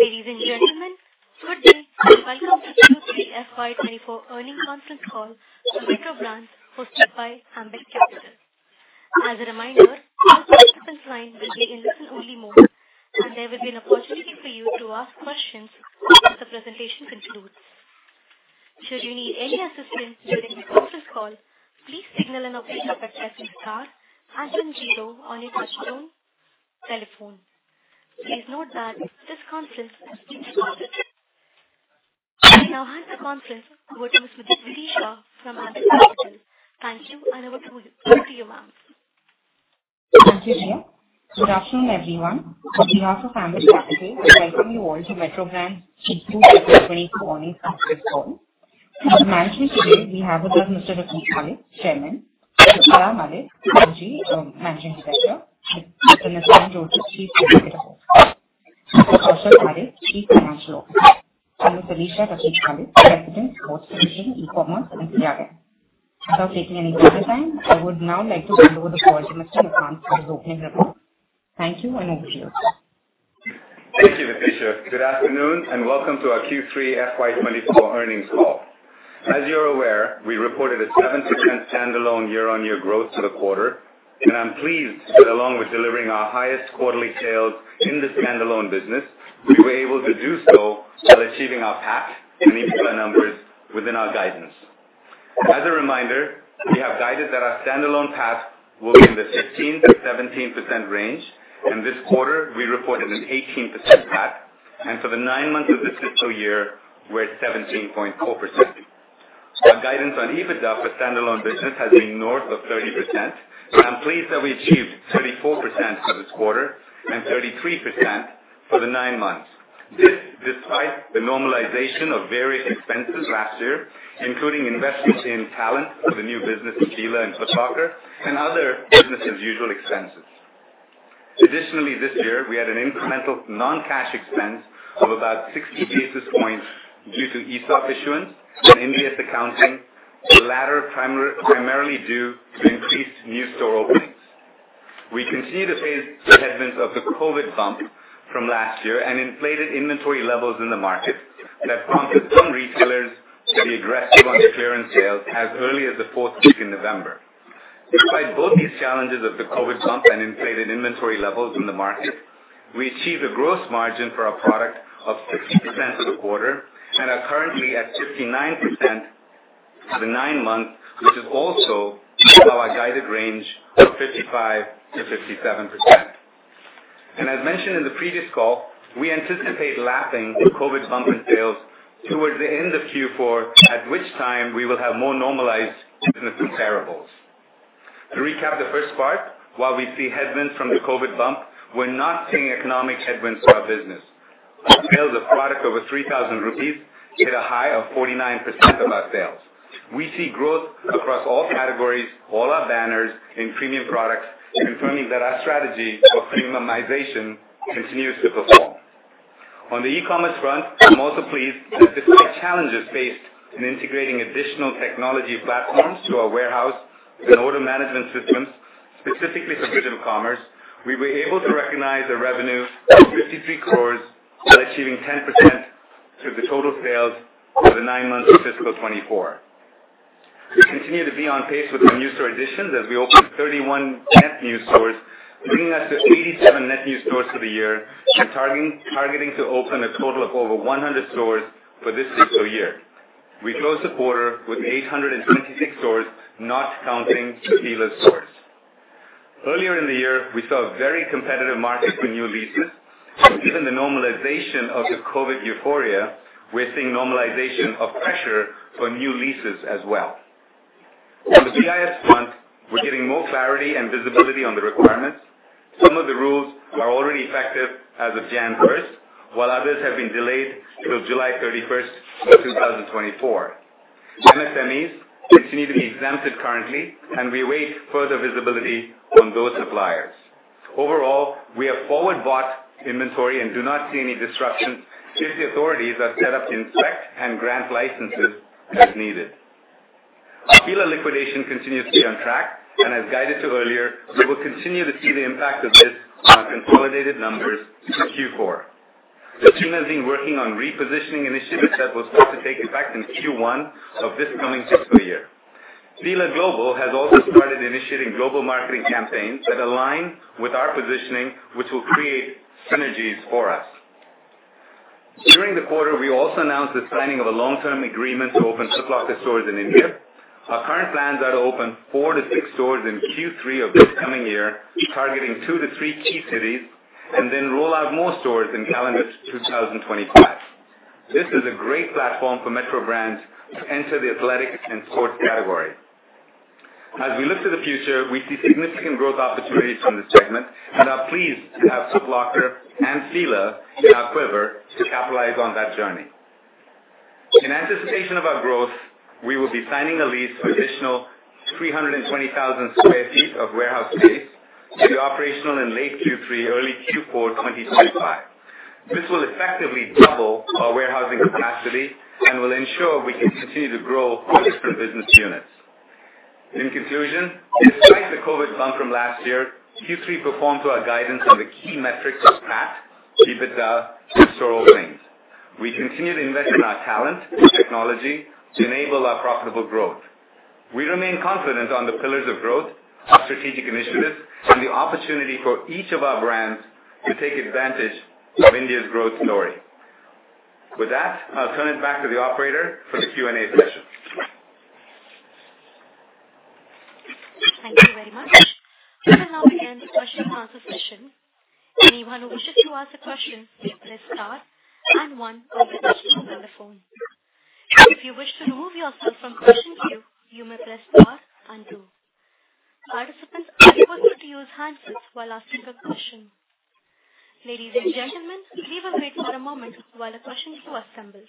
Ladies and gentlemen, good day. Welcome to Q3 FY 2024 earnings conference call for Metro Brands hosted by Ambit Capital. As a reminder, all participants' lines will be in listen-only mode, there will be an opportunity for you to ask questions once the presentation concludes. Should you need any assistance during this conference call, please signal an operator by pressing star, hashtag zero on your touchtone telephone. Please note that this conference is recorded. I now hand the conference over to Ms. Letitia Shaw from Ambit Capital. Thank you, and over to you, ma'am. Thank you, Sheila. Good afternoon, everyone. On behalf of Ambit Capital, I welcome you all to Metro Brands Q3 FY 2024 earnings conference call. To manage you today, we have with us Mr. Rafique A. Malik, Chairman, Ms. Farah Malik Bhanji, Managing Director, and Mr. Nissan Joseph, Chief Executive Officer. Mr. Kaushal Parekh, Chief Financial Officer, and Ms. Alisha Rafique Malik, President, Sports Division, E-commerce, and CRM. Without taking any further time, I would now like to hand over the floor to Mr. Rafique for his opening remarks. Thank you, and over to you. Thank you, Letitia. Good afternoon and welcome to our Q3 FY 2024 earnings call. As you are aware, we reported a 17% standalone year-on-year growth for the quarter, I am pleased that along with delivering our highest quarterly sales in the standalone business, we were able to do so while achieving our PAT and EBITDA numbers within our guidance. As a reminder, we have guided that our standalone PAT will be in the 16%-17% range. In this quarter, we reported an 18% PAT, for the nine months of this fiscal year, we are at 17.4%. Our guidance on EBITDA for standalone business has been north of 30%, so I am pleased that we achieved 34% for this quarter and 33% for the nine months. This despite the normalization of various expenses last year, including investments in talent for the new business with Fila and Foot Locker and other business as usual expenses. Additionally, this year, we had an incremental non-cash expense of about 60 basis points due to ESOP issuance and NVS accounting, the latter primarily due to increased new store openings. We can see the headwinds of the COVID bump from last year and inflated inventory levels in the market that prompted some retailers to be aggressive on clearance sales as early as the fourth week in November. Despite both these challenges of the COVID bump and inflated inventory levels in the market, we achieved a gross margin for our product of 16% for the quarter and are currently at 59% for the nine months, which is also below our guided range of 55%-57%. As mentioned in the previous call, we anticipate lapping the COVID bump in sales towards the end of Q4, at which time we will have more normalized business comparables. To recap the first part, while we see headwinds from the COVID bump, we're not seeing economic headwinds to our business. Sales of product over 3,000 rupees hit a high of 49% of our sales. We see growth across all categories, all our banners in premium products, confirming that our strategy of premiumization continues to perform. On the e-commerce front, I'm also pleased that despite challenges faced in integrating additional technology platforms to our warehouse and order management systems, specifically for digital commerce, we were able to recognize a revenue of 53 crores while achieving 10% of the total sales for the nine months of FY 2024. We continue to be on pace with our new store additions as we open 31 net new stores, bringing us to 87 net new stores for the year and targeting to open a total of over 100 stores for this fiscal year. We closed the quarter with 826 stores, not counting Fila stores. Earlier in the year, we saw a very competitive market for new leases. Given the normalization of the COVID euphoria, we're seeing normalization of pressure for new leases as well. On the BIS front, we're getting more clarity and visibility on the requirements. Some of the rules are already effective as of January 1st, while others have been delayed till July 31st, 2024. MSMEs continue to be exempted currently, and we await further visibility on those suppliers. Overall, we have forward-bought inventory and do not see any disruption since the authorities have set up to inspect and grant licenses as needed. Our Fila liquidation continues to be on track, and as guided to earlier, we will continue to see the impact of this on our consolidated numbers through Q4. The team has been working on repositioning initiatives that will start to take effect in Q1 of this coming fiscal year. Fila Global has also started initiating global marketing campaigns that align with our positioning, which will create synergies for us. During the quarter, we also announced the signing of a long-term agreement to open Foot Locker stores in India. Our current plans are to open four to six stores in Q3 of this coming year, targeting two to three key cities, and then roll out more stores in calendar 2025. This is a great platform for Metro Brands to enter the athletic and sports category. As we look to the future, we see significant growth opportunities from this segment and are pleased to have Foot Locker and Fila in our quiver to capitalize on that journey. In anticipation of our growth, we will be signing a lease for additional 320,000 sq ft of warehouse space to be operational in late Q3, early Q4 2025. This will effectively double our warehousing capacity and will ensure we can continue to grow our different business units. In conclusion, despite the COVID bump from last year, Q3 performed to our guidance on the key metrics of PAT, EBITDA, and store openings. We continue to invest in our talent and technology to enable our profitable growth. We remain confident on the pillars of growth, our strategic initiatives, and the opportunity for each of our brands to take advantage of India's growth story. With that, I'll turn it back to the operator for the Q&A session. Thank you very much. We will now begin the question and answer session. Anyone who wishes to ask a question should press star and one on the touchtone on the phone. If you wish to remove yourself from question queue, you must press star and two. Participants are requested to use handsets while asking a question. Ladies and gentlemen, please bear with for a moment while a question queue assembles.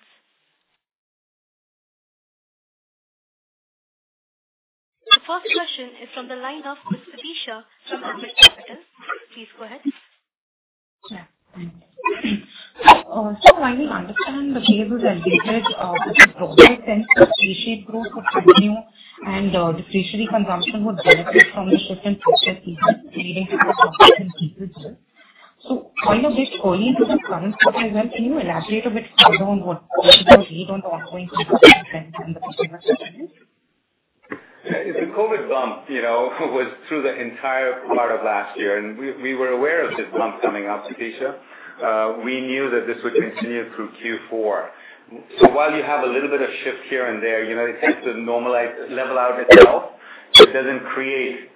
The first question is from the line of Tabisha from Emkay Global. Please go ahead. Yeah, thanks. I will understand the labels are dated with the broader sense of 3-stage growth of revenue and the discretionary consumption would benefit from the shift in future seasons leading to profits and EBITDA. While you're a bit early into the current quarter as well, can you elaborate a bit further on what possible read on the ongoing consumer trends and the consumer sentiment? The COVID bump was through the entire part of last year, and we were aware of this bump coming up, Tabisha. We knew that this would continue through Q4. While you have a little bit of shift here and there, it tends to level out itself. It doesn't create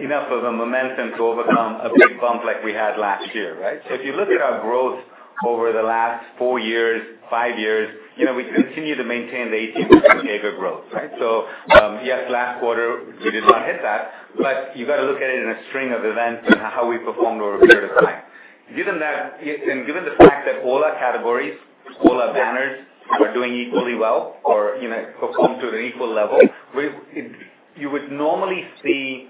enough of a momentum to overcome a big bump like we had last year, right? If you look at our growth over the last four years, five years, we continue to maintain the 18% CAGR growth, right? Yes, last quarter we did not hit that, but you got to look at it in a string of events and how we performed over a period of time. Given the fact that all our categories, all our banners are doing equally well or perform to an equal level, you would normally see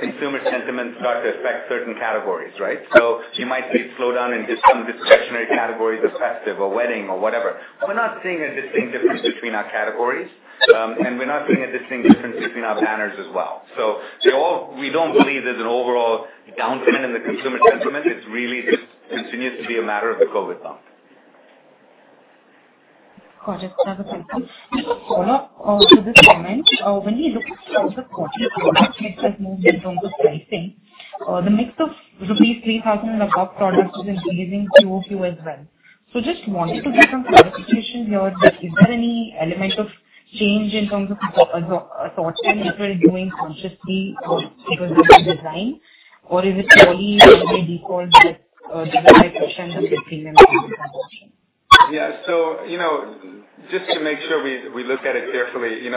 consumer sentiment start to affect certain categories, right? You might see it slow down in just some discretionary categories of festive or wedding or whatever. We're not seeing a distinct difference between our categories, and we're not seeing a distinct difference between our banners as well. We don't believe there's an overall downturn in the consumer sentiment. It really just continues to be a matter of the COVID bump. Got it. That was helpful. Follow-up to this comment. When we look at the quarter product mix has moved in terms of pricing, the mix of rupees 3,000 and above products is increasing Q-over-Q as well. Just wanted to get some clarification here that is there any element of change in terms of thought chain if you're doing consciously or it was by design or is it purely only default that driven by pressure from the premium end consumption? Yeah. Just to make sure we look at it carefully, the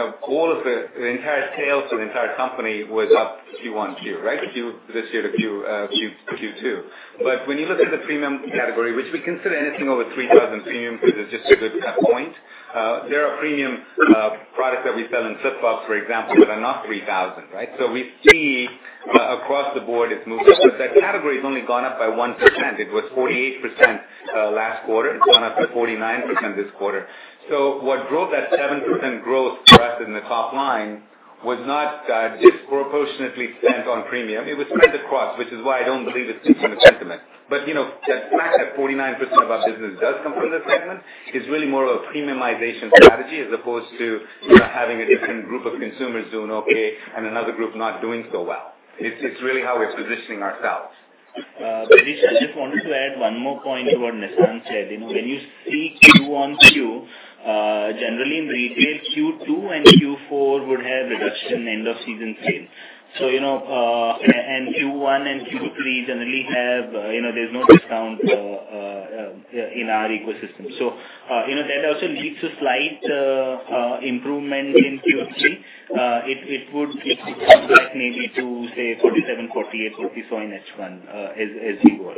entire tale to the entire company was up Q1 to Q2, right? When you look at the premium category, which we consider anything over 3,000 premium, because it's just a good point, there are premium products that we sell in flip-flops, for example, that are not 3,000, right? We see across the board it's moving, but that category has only gone up by 1%. It was 48% last quarter. It's gone up to 49% this quarter. What drove that 7% growth for us in the top line was not disproportionately spent on premium. It was spread across, which is why I don't believe it's consumer sentiment. The fact that 49% of our business does come from this segment is really more of a premiumization strategy as opposed to having a different group of consumers doing okay and another group not doing so well. It's really how we're positioning ourselves. Tabisha, I just wanted to add one more point to what Nissan said. When you see QoQ, generally in retail, Q2 and Q4 would have reduction end of season sale. Q1 and Q3 generally have no discount in our ecosystem. That also leads to slight improvement in Q3. It would come back maybe to say 47%, 48%, 49% as we go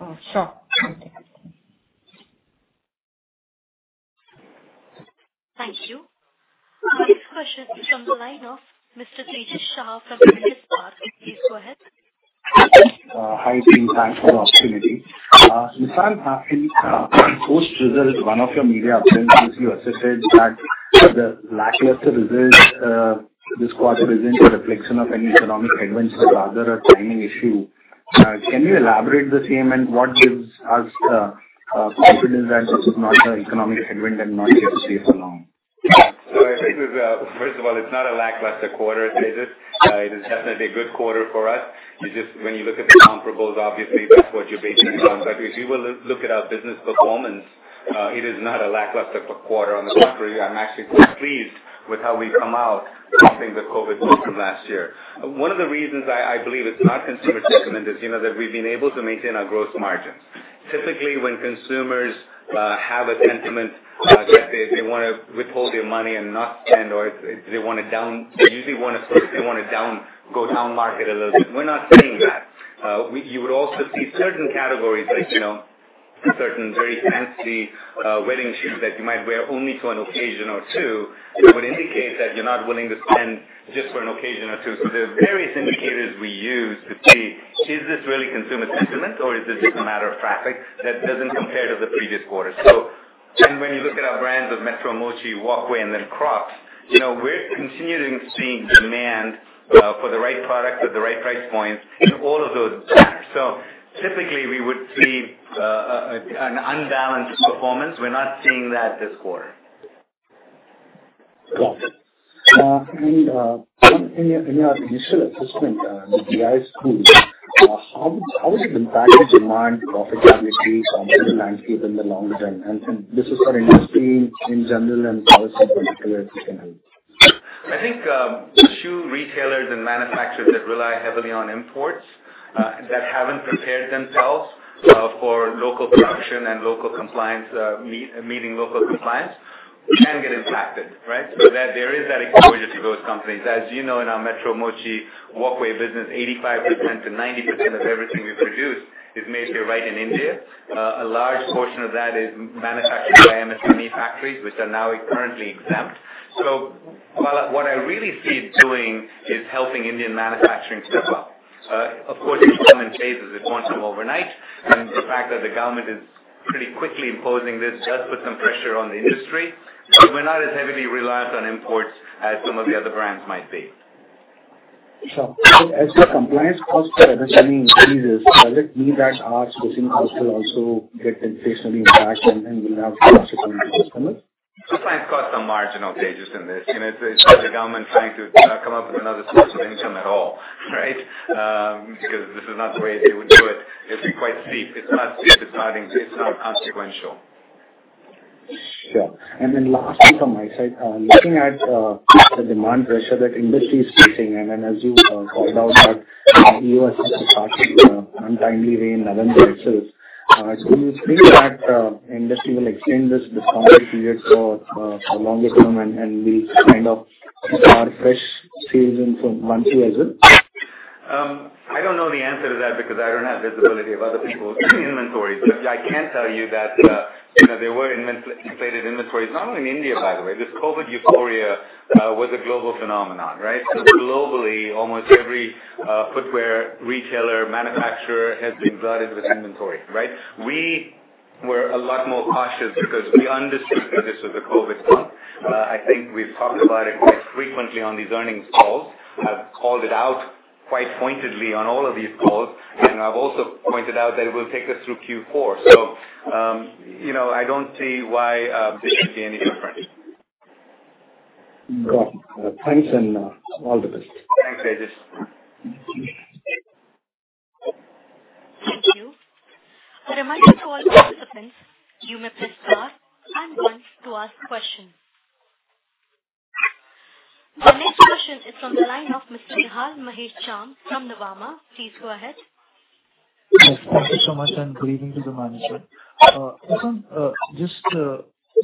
on. Sure. Thank you. Thank you. Next question is from the line of Tejas Shah from Lotus Park. Please go ahead. Hi, team. Thanks for the opportunity. Nissan, post results, one of your media outlets, as you asserted that the lackluster results this quarter isn't a reflection of any economic headwinds but rather a timing issue. Can you elaborate the same and what gives us confidence that this is not an economic headwind and not here to stay for long? I think, first of all, it's not a lackluster quarter, Tejas. It is definitely a good quarter for us. It's just when you look at the comparables, obviously, that's what you're basing it on. If you will look at our business performance, it is not a lackluster quarter. On the contrary, I'm actually quite pleased with how we've come out dropping the COVID bump from last year. One of the reasons I believe it's not consumer sentiment is that we've been able to maintain our growth margins. Typically, when consumers have a sentiment that they want to withhold their money and not spend, or they usually want to go down market a little bit. We're not seeing that. You would also see certain categories like certain very fancy wedding shoes that you might wear only to an occasion or two. It would indicate that you are not willing to spend just for an occasion or two. There are various indicators we use to see is this really consumer sentiment or is this just a matter of traffic that does not compare to the previous quarter? When you look at our brands of Metro Mochi, Walkway, and then Crocs, we are continuing to see demand for the right products at the right price points in all of those decks. Typically, we would see an unbalanced performance. We are not seeing that this quarter. Got it. In your initial assessment, the BIS rules, how would it impact the demand, profit, revenue streams or margin landscape in the longer term? This is for industry in general and Metro in particular, if you can help. I think shoe retailers and manufacturers that rely heavily on imports, that have not prepared themselves for local production and meeting local compliance, can get impacted, right? There is that exposure to those companies. As you know, in our Metro Mochi Walkway business, 85%-90% of everything we produce is made here, right in India. A large portion of that is manufactured by MSME factories, which are now currently exempt. What I really see it doing is helping Indian manufacturing step up. Of course, it will come in phases. It will not come overnight. The fact that the government is pretty quickly imposing this does put some pressure on the industry, but we are not as heavily reliant on imports as some of the other brands might be. Sure. As the compliance cost for other companies increases, does it mean that our sourcing cost will also get substantially impacted and will have cost implications for us? Compliance costs are marginal, Tejas, in this. It's not the government trying to come up with another source of income at all, right? This is not the way they would do it. It'd be quite steep. It's not steep. It's not consequential. Sure. Last one from my side. Looking at the demand pressure that industry is facing, as you called out that as you called out that retailers are starting the clearance sales in November itself, do you think that industry will extend this discounted period for longer term and we'll kind of start fresh sales in from months as well? I don't know the answer to that because I don't have visibility of other people's inventories. I can tell you that there were inflated inventories, not only in India, by the way. This COVID euphoria was a global phenomenon, right? Globally, almost every footwear retailer, manufacturer has been flooded with inventory, right? We were a lot more cautious because we understood that this was a COVID bump. I think we've talked about it quite frequently on these earnings calls. I've called it out quite pointedly on all of these calls, and I've also pointed out that it will take us through Q4. I don't see why this would be any different. Got it. Thanks and all the best. Thanks, Tejas. Thank you. A reminder to all participants, you may press star and 1 to ask questions. The next question is from the line of Mr. Nihal Jham from Nuvama. Please go ahead. Yes, thank you so much, and good evening to the management. Nissan, just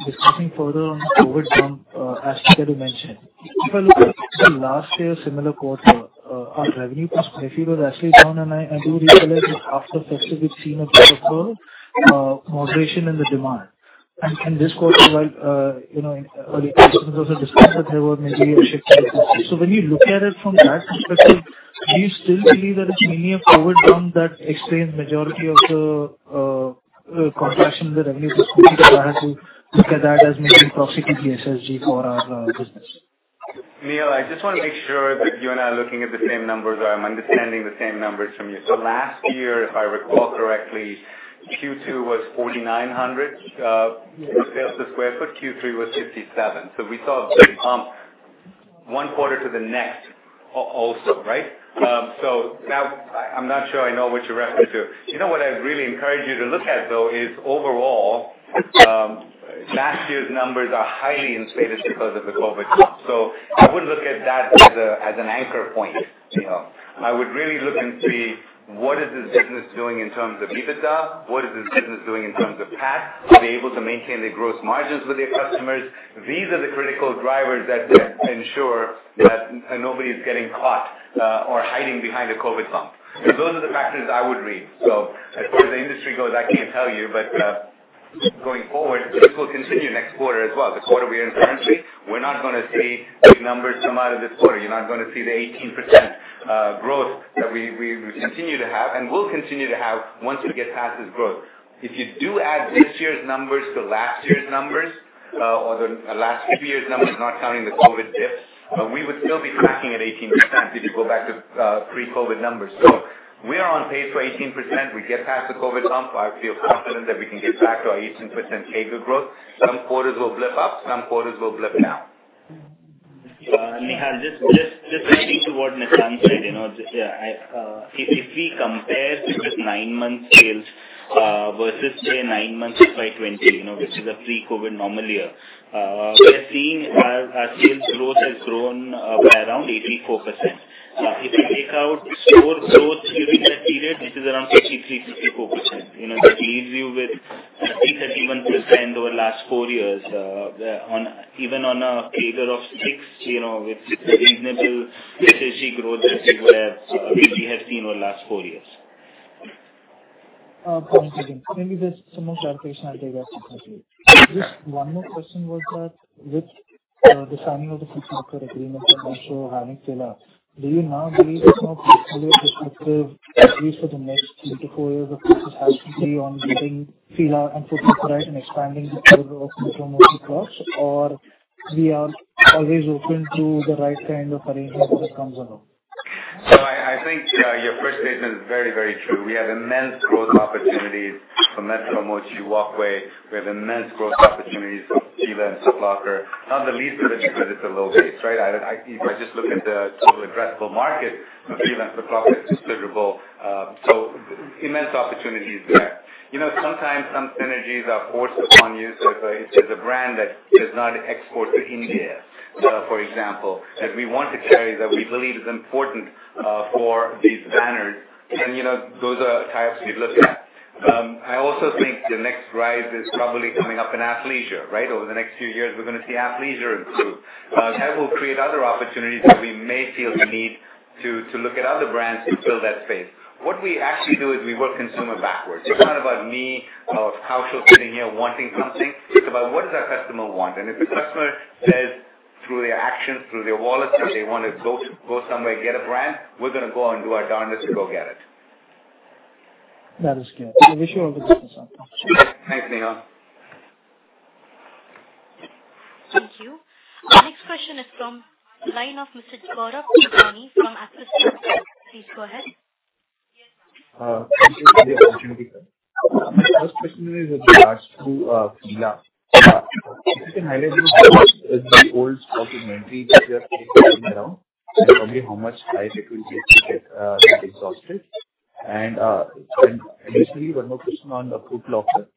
discussing further on COVID bump, as Tejas mentioned. If I look at the last year, similar quarter, our revenue per square feet was actually down, and I do recall that after festive, we've seen a bit of moderation in the demand. In this quarter, while early customers also discussed that there were maybe a shift in the consumer. When you look at it from that perspective, do you still believe that it's mainly a COVID bump that explains majority of the contraction in the revenue per square feet, or do you look at that as maybe proxy to the SSG for our business? Nihal, I just want to make sure that you and I are looking at the same numbers, or I'm understanding the same numbers from you. Last year, if I recall correctly, Q2 was 4,900 sq ft. Q3 was 5,700 sq ft. We saw a big bump one quarter to the next also, right? Now I'm not sure I know what you're referring to. You know what I'd really encourage you to look at, though, is overall, last year's numbers are highly inflated because of the COVID bump. I wouldn't look at that as an anchor point. I would really look and see what is this business doing in terms of EBITDA, what is this business doing in terms of PAT? Are they able to maintain their gross margins with their customers? These are the critical drivers that ensure that nobody's getting caught or hiding behind a COVID bump. Those are the factors I would read. As far as the industry goes, I can't tell you, but going forward, this will continue next quarter as well. The quarter we're in currently, we're not going to see big numbers come out of this quarter. You're not going to see the 18% growth that we continue to have and will continue to have once we get past this growth. If you do add this year's numbers to last year's numbers, or the last few years numbers, not counting the COVID dip, we would still be tracking at 18% if you go back to pre-COVID numbers. We are on pace for 18%. We get past the COVID bump, I feel confident that we can get back to our 18% CAGR growth. Some quarters will blip up, some quarters will blip down. Nihal, just adding to what Nissan said. If we compare this nine-month sales versus, say, nine months FY 2020, which is a pre-COVID normal year, we are seeing our sales growth has grown by around 84%. If you take out store growth during that period, it is around 53%-54%. That leaves you with a 37% over last four years. Even on a CAGR of 6, with reasonable SSG growth, that's where we have seen over the last four years. Thanks again. Maybe there's some more clarification I'll get back to you. Just one more question was that with the signing of the Foot Locker agreement for Metro, Foot Locker. Do you now believe it's not very respective, at least for the next 3 to 4 years, the focus has to be on getting Fila and Foot Locker right and expanding the program of Metro Mochi Plus? Or we are always open to the right kind of arrangement that comes along. I think your first statement is very true. We have immense growth opportunities for Metro Mochi Walkway. We have immense growth opportunities for Fila and Foot Locker, not the least of which because it's a low base, right? If I just look at the total addressable market for Fila and Foot Locker, it's considerable. Immense opportunities there. Sometimes some synergies are forced upon you. If there's a brand that does not export to India, for example, that we want to carry, that we believe is important for these banners, then those are types we'd look at. I also think the next rise is probably coming up in athleisure, right? Over the next few years, we're going to see athleisure improve. That will create other opportunities where we may feel the need to look at other brands to fill that space. What we actually do is we work consumer backwards. It's not about me or Kaushal sitting here wanting something. It's about what does our customer want. If the customer says through their actions, through their wallets, that they want to go somewhere to get a brand, we're going to go and do our darnedest to go get it. That is good. We wish you all the best. Thanks, Nihal. Thank you. Our next question is from the line of Mr. Gaurav Patankar from Axis Capital. Please go ahead. Thank you for the opportunity. My first question is with regards to Fila. If you can highlight the old stock inventory that you are sitting around, probably how much time it will take to get that exhausted. Additionally, one more question on Foot locker.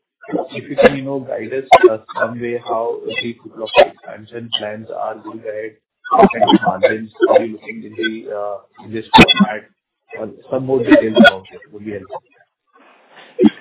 If you can guide us some way how the Foot locker expansion plans are going ahead, what kind of margins are you looking in this format? Some more details about it would be helpful.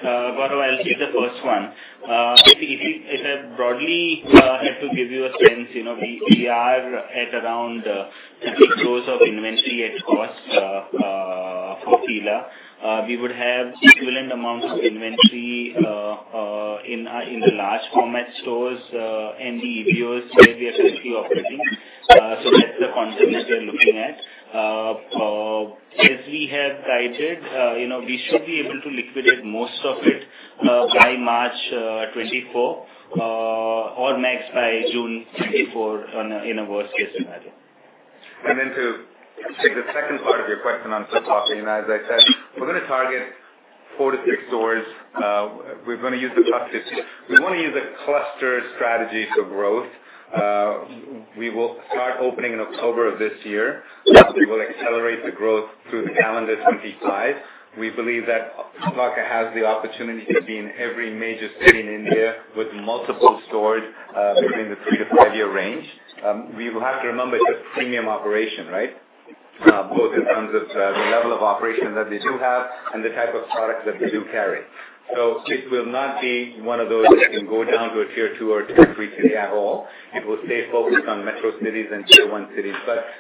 Gaurav, I'll take the first one. If I broadly had to give you a sense, we are at around 30 crores of inventory at cost for Fila. We would have equivalent amounts of inventory in the large format stores and the EBOs where we are currently operating. That's the continuity we are looking at. As we have guided, we should be able to liquidate most of it by March 2024 or max by June 2024 in a worst-case scenario. To take the second part of your question on Foot locker, as I said, we're going to target four to six stores. We want to use a cluster strategy for growth. We will start opening in October of this year. We will accelerate the growth through calendar 2025. We believe that Foot locker has the opportunity to be in every major city in India with multiple stores within the three to five-year range. We have to remember it's a premium operation, right? Both in terms of the level of operation that they do have and the type of product that they do carry. It will not be one of those that can go down to a tier 2 or tier 3 city at all. It will stay focused on metro cities and tier 1 cities.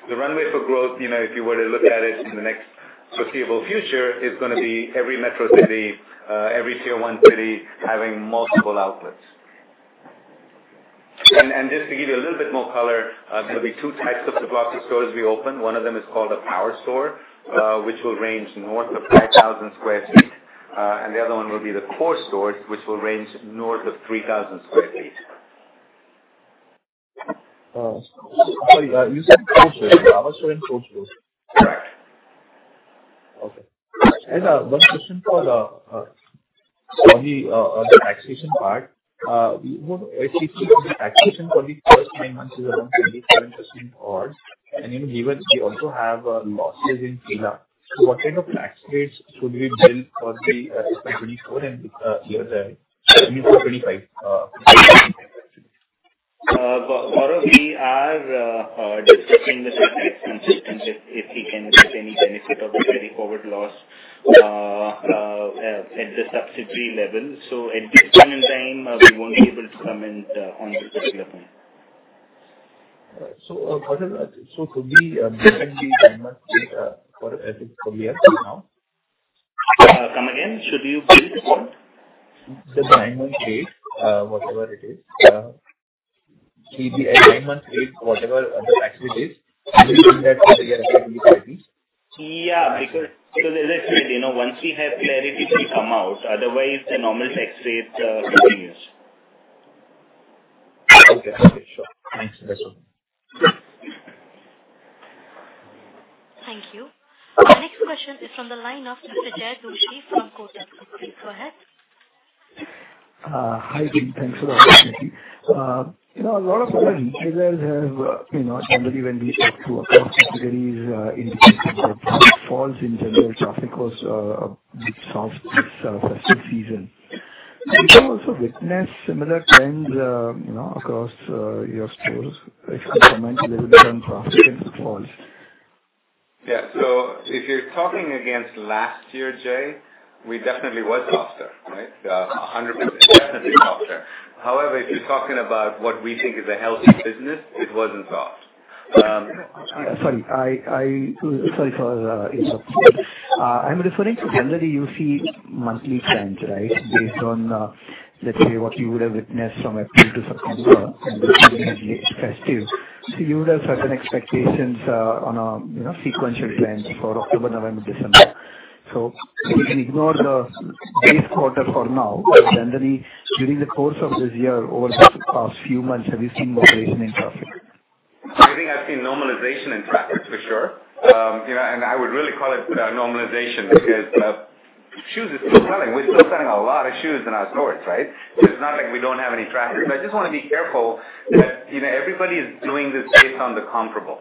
The runway for growth, if you were to look at it in the next foreseeable future, is going to be every metro city, every tier 1 city having multiple outlets. Just to give you a little bit more color, there'll be 2 types of Foot locker stores we open. One of them is called a power store, which will range north of 5,000 sq ft, and the other one will be the core stores, which will range north of 3,000 sq ft. Sorry, you said core stores. Power store and core stores. Right. Okay. One question for Kaushal on the taxation part. If we look at the taxation for the first nine months is around 27% odds, even we also have losses in Fila. What kind of tax rates should we build for the fiscal 2024 and year 2025? Gaurav, we are discussing with our tax consultants if we can get any benefit of the carry forward loss at the subsidiary level. At this point in time, we won't be able to comment on this particular point. Could we build in the nine-month rate for a fiscal year right now? Come again. Should you build what? The nine-month rate, whatever it is. If the nine-month rate, whatever the tax rate is, will it be that for the year ahead, 2025? Yeah, because as I said, once we have clarity, we come out, otherwise the normal tax rate continues. Okay, sure. Thanks. That's all. Thank you. Our next question is from the line of Mr. Jaykumar Doshi from Kotak. Please go ahead. Hi, good. Thanks for the opportunity. A lot of other retailers have, generally when we talk to across categories, indicated that traffic falls in general, traffic was a bit soft this festive season. Did you also witness similar trends across your stores? If you can comment a little bit on traffic and footfalls. Yeah. If you're talking against last year, Jay, we definitely was softer, right? 100%, definitely softer. If you're talking about what we think is a healthy business, it wasn't soft. Sorry for the interruption. I'm referring to generally you see monthly trends, right? Based on, let's say, what you would have witnessed from April to September and the festive. You would have certain expectations on a sequential trend for October, November, December. If we can ignore the base quarter for now, generally, during the course of this year, over the past few months, have you seen moderation in traffic? I think I've seen normalization in traffic for sure. I would really call it a normalization because shoes are still selling. We're still selling a lot of shoes in our stores, right? It's not like we don't have any traffic. I just want to be careful that everybody is doing this based on the comparable.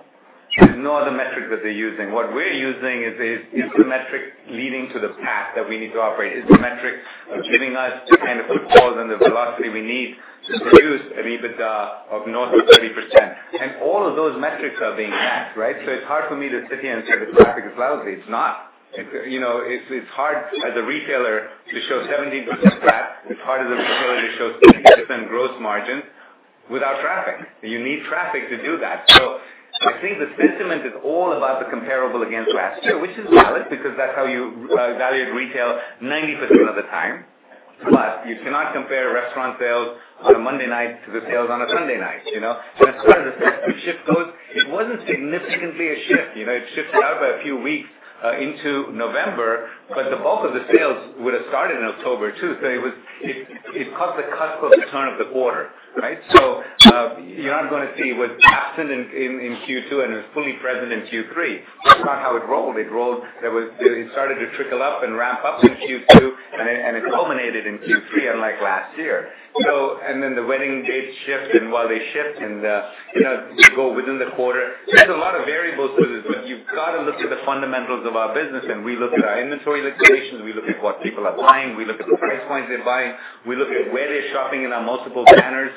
There's no other metric that they're using. What we're using is the metric leading to the path that we need to operate? Is the metric giving us the kind of footfalls and the velocity we need to produce an EBITDA of north of 30%? All of those metrics are being met, right? It's hard for me to sit here and say the traffic is lousy. It's not. It's hard as a retailer to show 17% gross. It's hard as a retailer to show 50% gross margin without traffic. You need traffic to do that. I think the sentiment is all about the comparable against last year, which is valid because that's how you evaluate retail 90% of the time. You cannot compare restaurant sales on a Monday night to the sales on a Sunday night. As far as the shift goes, it wasn't significantly a shift. It shifts out by a few weeks into November, but the bulk of the sales would have started in October too. It caused the cusp of the turn of the quarter. Right? You're not going to see what's absent in Q2 and is fully present in Q3. That's not how it rolled. It started to trickle up and ramp up in Q2, and it culminated in Q3 unlike last year. Then the wedding date shift, and while they shift and we go within the quarter, there's a lot of variables to this, you've got to look at the fundamentals of our business. We look at our inventory liquidation, we look at what people are buying, we look at the price points they're buying, we look at where they're shopping in our multiple banners,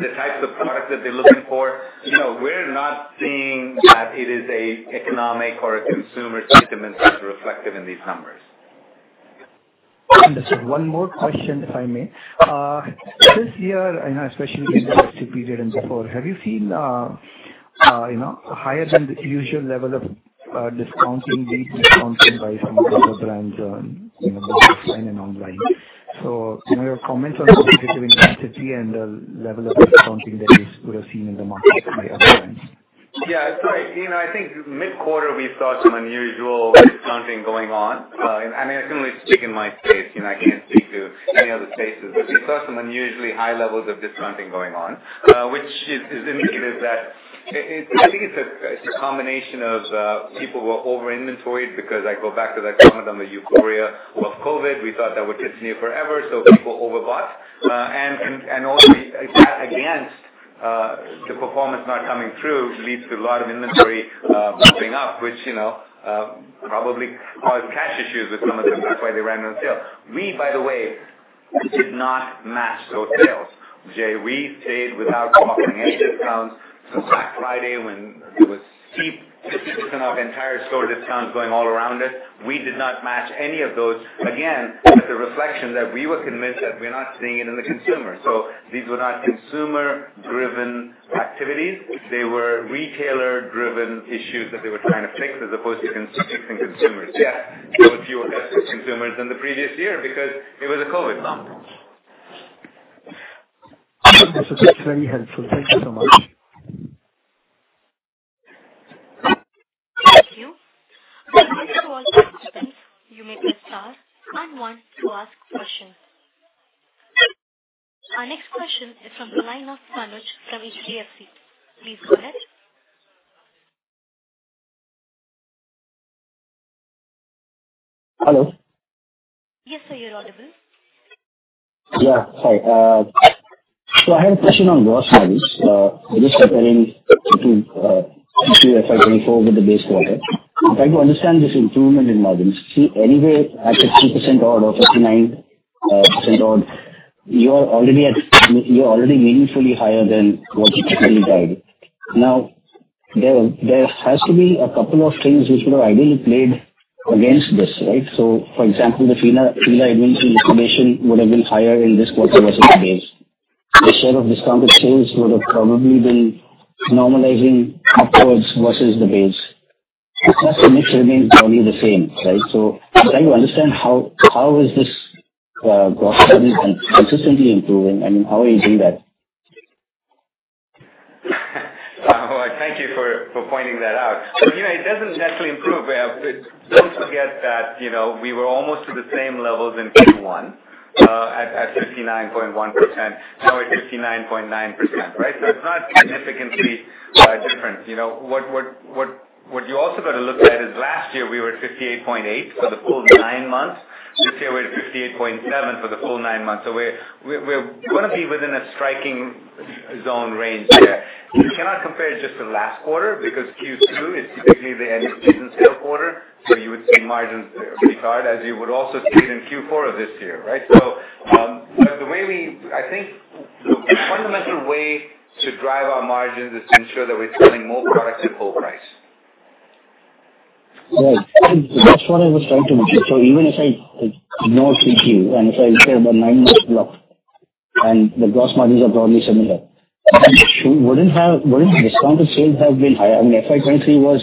the types of products that they're looking for. We're not seeing that it is a economic or a consumer sentiment that's reflected in these numbers. Understood. One more question, if I may. This year, especially in the H2 period and before, have you seen higher than usual level of discounting, deep discounting by some of the other brands both offline and online? Any comments on the competitive intensity and the level of discounting that you would have seen in the market by other brands? Yeah. I think mid-quarter we saw some unusual discounting going on. I mean, I can only speak in my space, I can't speak to any other spaces, but we saw some unusually high levels of discounting going on, which is indicative that I think it's a combination of people were over-inventoried because I go back to that comment on the euphoria of COVID. We thought that would continue forever, people over-bought. All of that against the performance not coming through leads to a lot of inventory buffing up, which probably caused cash issues with some of them. That's why they ran on sale. We, by the way, did not match those sales, Jay. We stayed without offering any discounts. Black Friday, when there was steep 50% off entire store discounts going all around us, we did not match any of those. Again, it's a reflection that we were convinced that we're not seeing it in the consumer. These were not consumer-driven activities. They were retailer-driven issues that they were trying to fix as opposed to fixing consumers. There were fewer festive consumers than the previous year because it was a COVID bump. Understood. It's very helpful. Thank you so much. Thank you. Once all questions, you may press star one to ask questions. Our next question is from the line of Sanuj from EJFC. Please go ahead. Hello. Yes, sir, you're audible. Yeah. Sorry. I have a question on gross margins. Just comparing QFY 2024 with the base quarter. I'm trying to understand this improvement in margins. See, anyway, at 50% odd or 59% odd, you're already meaningfully higher than what you typically guide. Now, there has to be a couple of things which would have ideally played against this, right? For example, the Fila inventory liquidation would have been higher in this quarter versus the base. The share of discounted sales would have probably been normalizing upwards versus the base. The customer mix remains probably the same, right? I'm trying to understand how is this gross margin consistently improving. I mean, how are you seeing that? Well, thank you for pointing that out. It doesn't necessarily improve. Don't forget that we were almost to the same levels in Q1 at 59.1%. Now we're 59.9%, right? It's not significantly different. What you also got to look at is last year we were at 58.8 for the full nine months. This year we're at 58.7 for the full nine months. We're going to be within a striking zone range there. You cannot compare just the last quarter because Q2 is typically the end of season sale quarter, you would see margins pretty hard, as you would also see it in Q4 of this year, right? I think the fundamental way to drive our margins is to ensure that we're selling more products at full price. Right. That's what I was trying to mention. Even if I ignore 3Q, and if I compare the nine months block, and the gross margins are broadly similar, wouldn't the discounted sales have been higher? I mean, FY 2023 was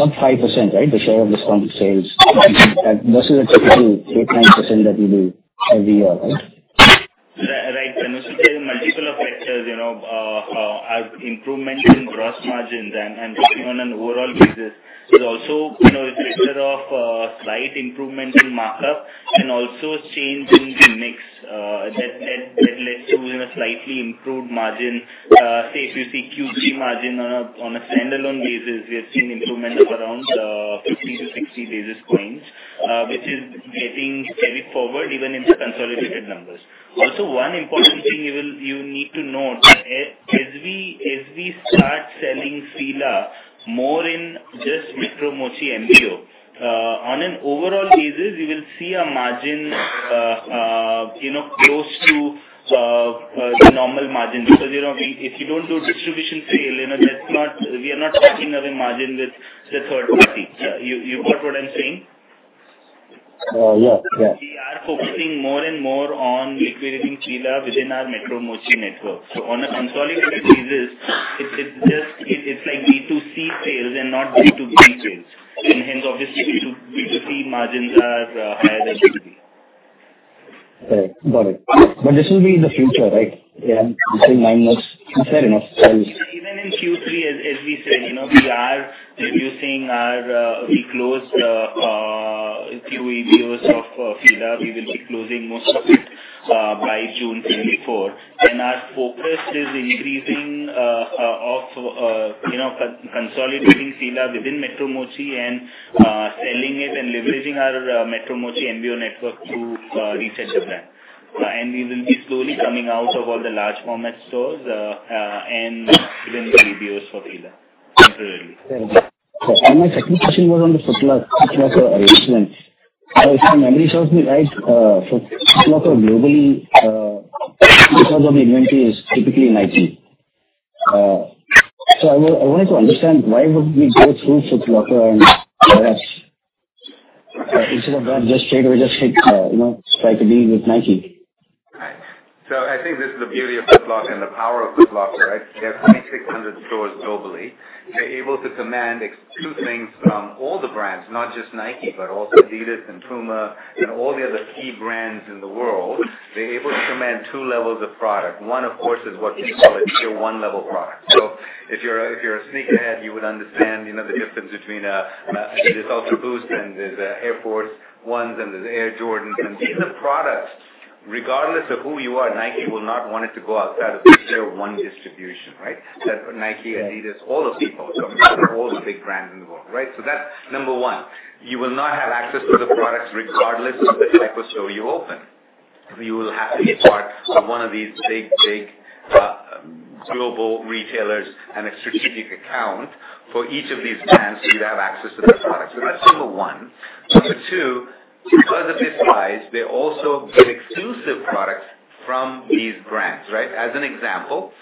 sub 5%, right? The share of discounted sales versus the typical 8%, 9% that we do every year, right? Right. There's multiple effects here, improvement in gross margins and looking on an overall basis. There's also a picture of slight improvement in markup and also a change in the mix that leads to a slightly improved margin. Say, if you see Q3 margin on a standalone basis, we have seen improvement of around 50 to 60 basis points, which is getting carried forward even in the consolidated numbers. Also, one important thing you need to note, as we start selling Fila more in just Metro Mochi MBO, on an overall basis, you will see a margin close to the normal margin. Because if you don't do distribution sale, we are not sharing our margin with the third party. You got what I'm saying? Yes. We are focusing more and more on equating Fila within our Metro Mochi network. On a consolidated basis, it's like B2C sales and not B2B sales. Hence obviously B2C margins are higher than B2B. Right. Got it. This will be in the future, right? Yeah, you say nine months. Fair enough. Even in Q3, as we said, we closed a few MBOs of Fila. We will be closing most of it by June 2024. Our focus is increasing of consolidating Fila within Metro Mochi and selling it and leveraging our Metro Mochi MBO network to reset the brand. We will be slowly coming out of all the large format stores and within the MBOs for Fila temporarily. Fair enough. My second question was on the Foot Locker arrangement. If my memory serves me right, Foot Locker globally, because of the inventory, is typically in IT. I wanted to understand why would we go through Foot Locker and others. Instead of that, just straightaway just strike a deal with Nike. I think this is the beauty of Foot Locker and the power of Foot Locker, right? They have 3,600 stores globally. They're able to command two things from all the brands, not just Nike, but also adidas and Puma and all the other key brands in the world. They're able to command two levels of product. One, of course, is what we call a tier-1 level product. If you're a sneakerhead, you would understand the difference between an adidas Ultraboost and there's Air Force 1s and there's Air Jordans. These are products, regardless of who you are, Nike will not want it to go outside of tier-1 distribution, right? That's for Nike, adidas, all those people. All the big brands in the world. That's number 1. You will not have access to the products regardless of the type of store you open. You will have to be a part of one of these big global retailers and a strategic account for each of these brands so you'd have access to those products. That's number 1. Number 2, because of their size, they also get exclusive products from these brands, right? As an example,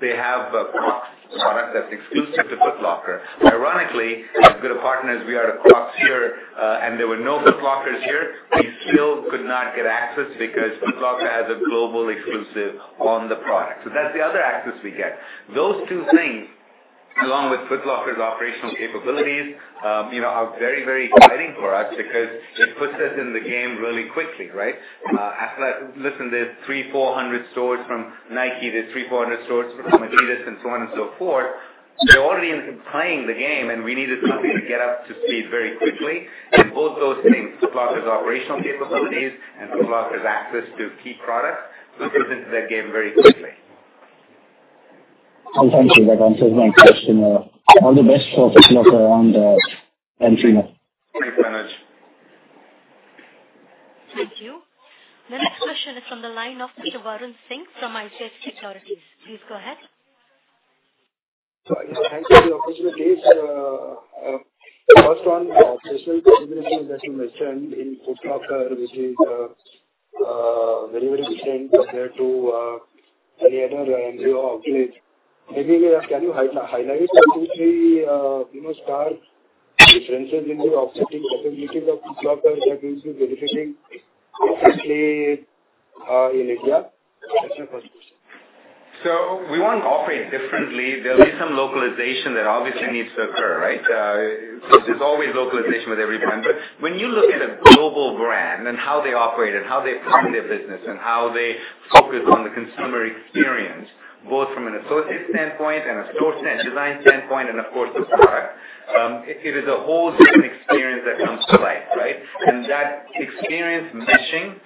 they have a Crocs product that's exclusive to Foot Locker. Ironically, as good a partner as we are to Crocs here, and there were no Foot Lockers here, we still could not get access because Foot Locker has a global exclusive on the product. That's the other access we get. Those two things, along with Foot Locker's operational capabilities, are very exciting for us because it puts us in the game really quickly, right? Listen, there's 300, 400 stores from Nike, there's 300, 400 stores from adidas, and so on and so forth. They're already playing the game, we needed somebody to get up to speed very quickly. Both those things, Foot Locker's operational capabilities and Foot Locker's access to key products, put us into that game very quickly. Thank you. That answers my question. All the best for Foot Locker and Fila. Thanks, Sanuj. Thank you. The next question is from the line of Mr. Varun Singh from ICICI Securities. Please go ahead. Thank you for the opportunity, sir. First one, special consideration, as you mentioned, in Foot Locker, which is very different compared to any other MBO outlet. Maybe, can you highlight two, three star differences in the operating capabilities of Foot Locker that you'll be benefiting, especially in India? That's my first question. We won't operate differently. There'll be some localization that obviously needs to occur, right? There's always localization with every brand. When you look at a global brand and how they operate and how they run their business, and how they focus on the consumer experience, both from an associate standpoint and a store design standpoint, and of course, the product, it is a whole different experience that comes to life, right? That experience meshing,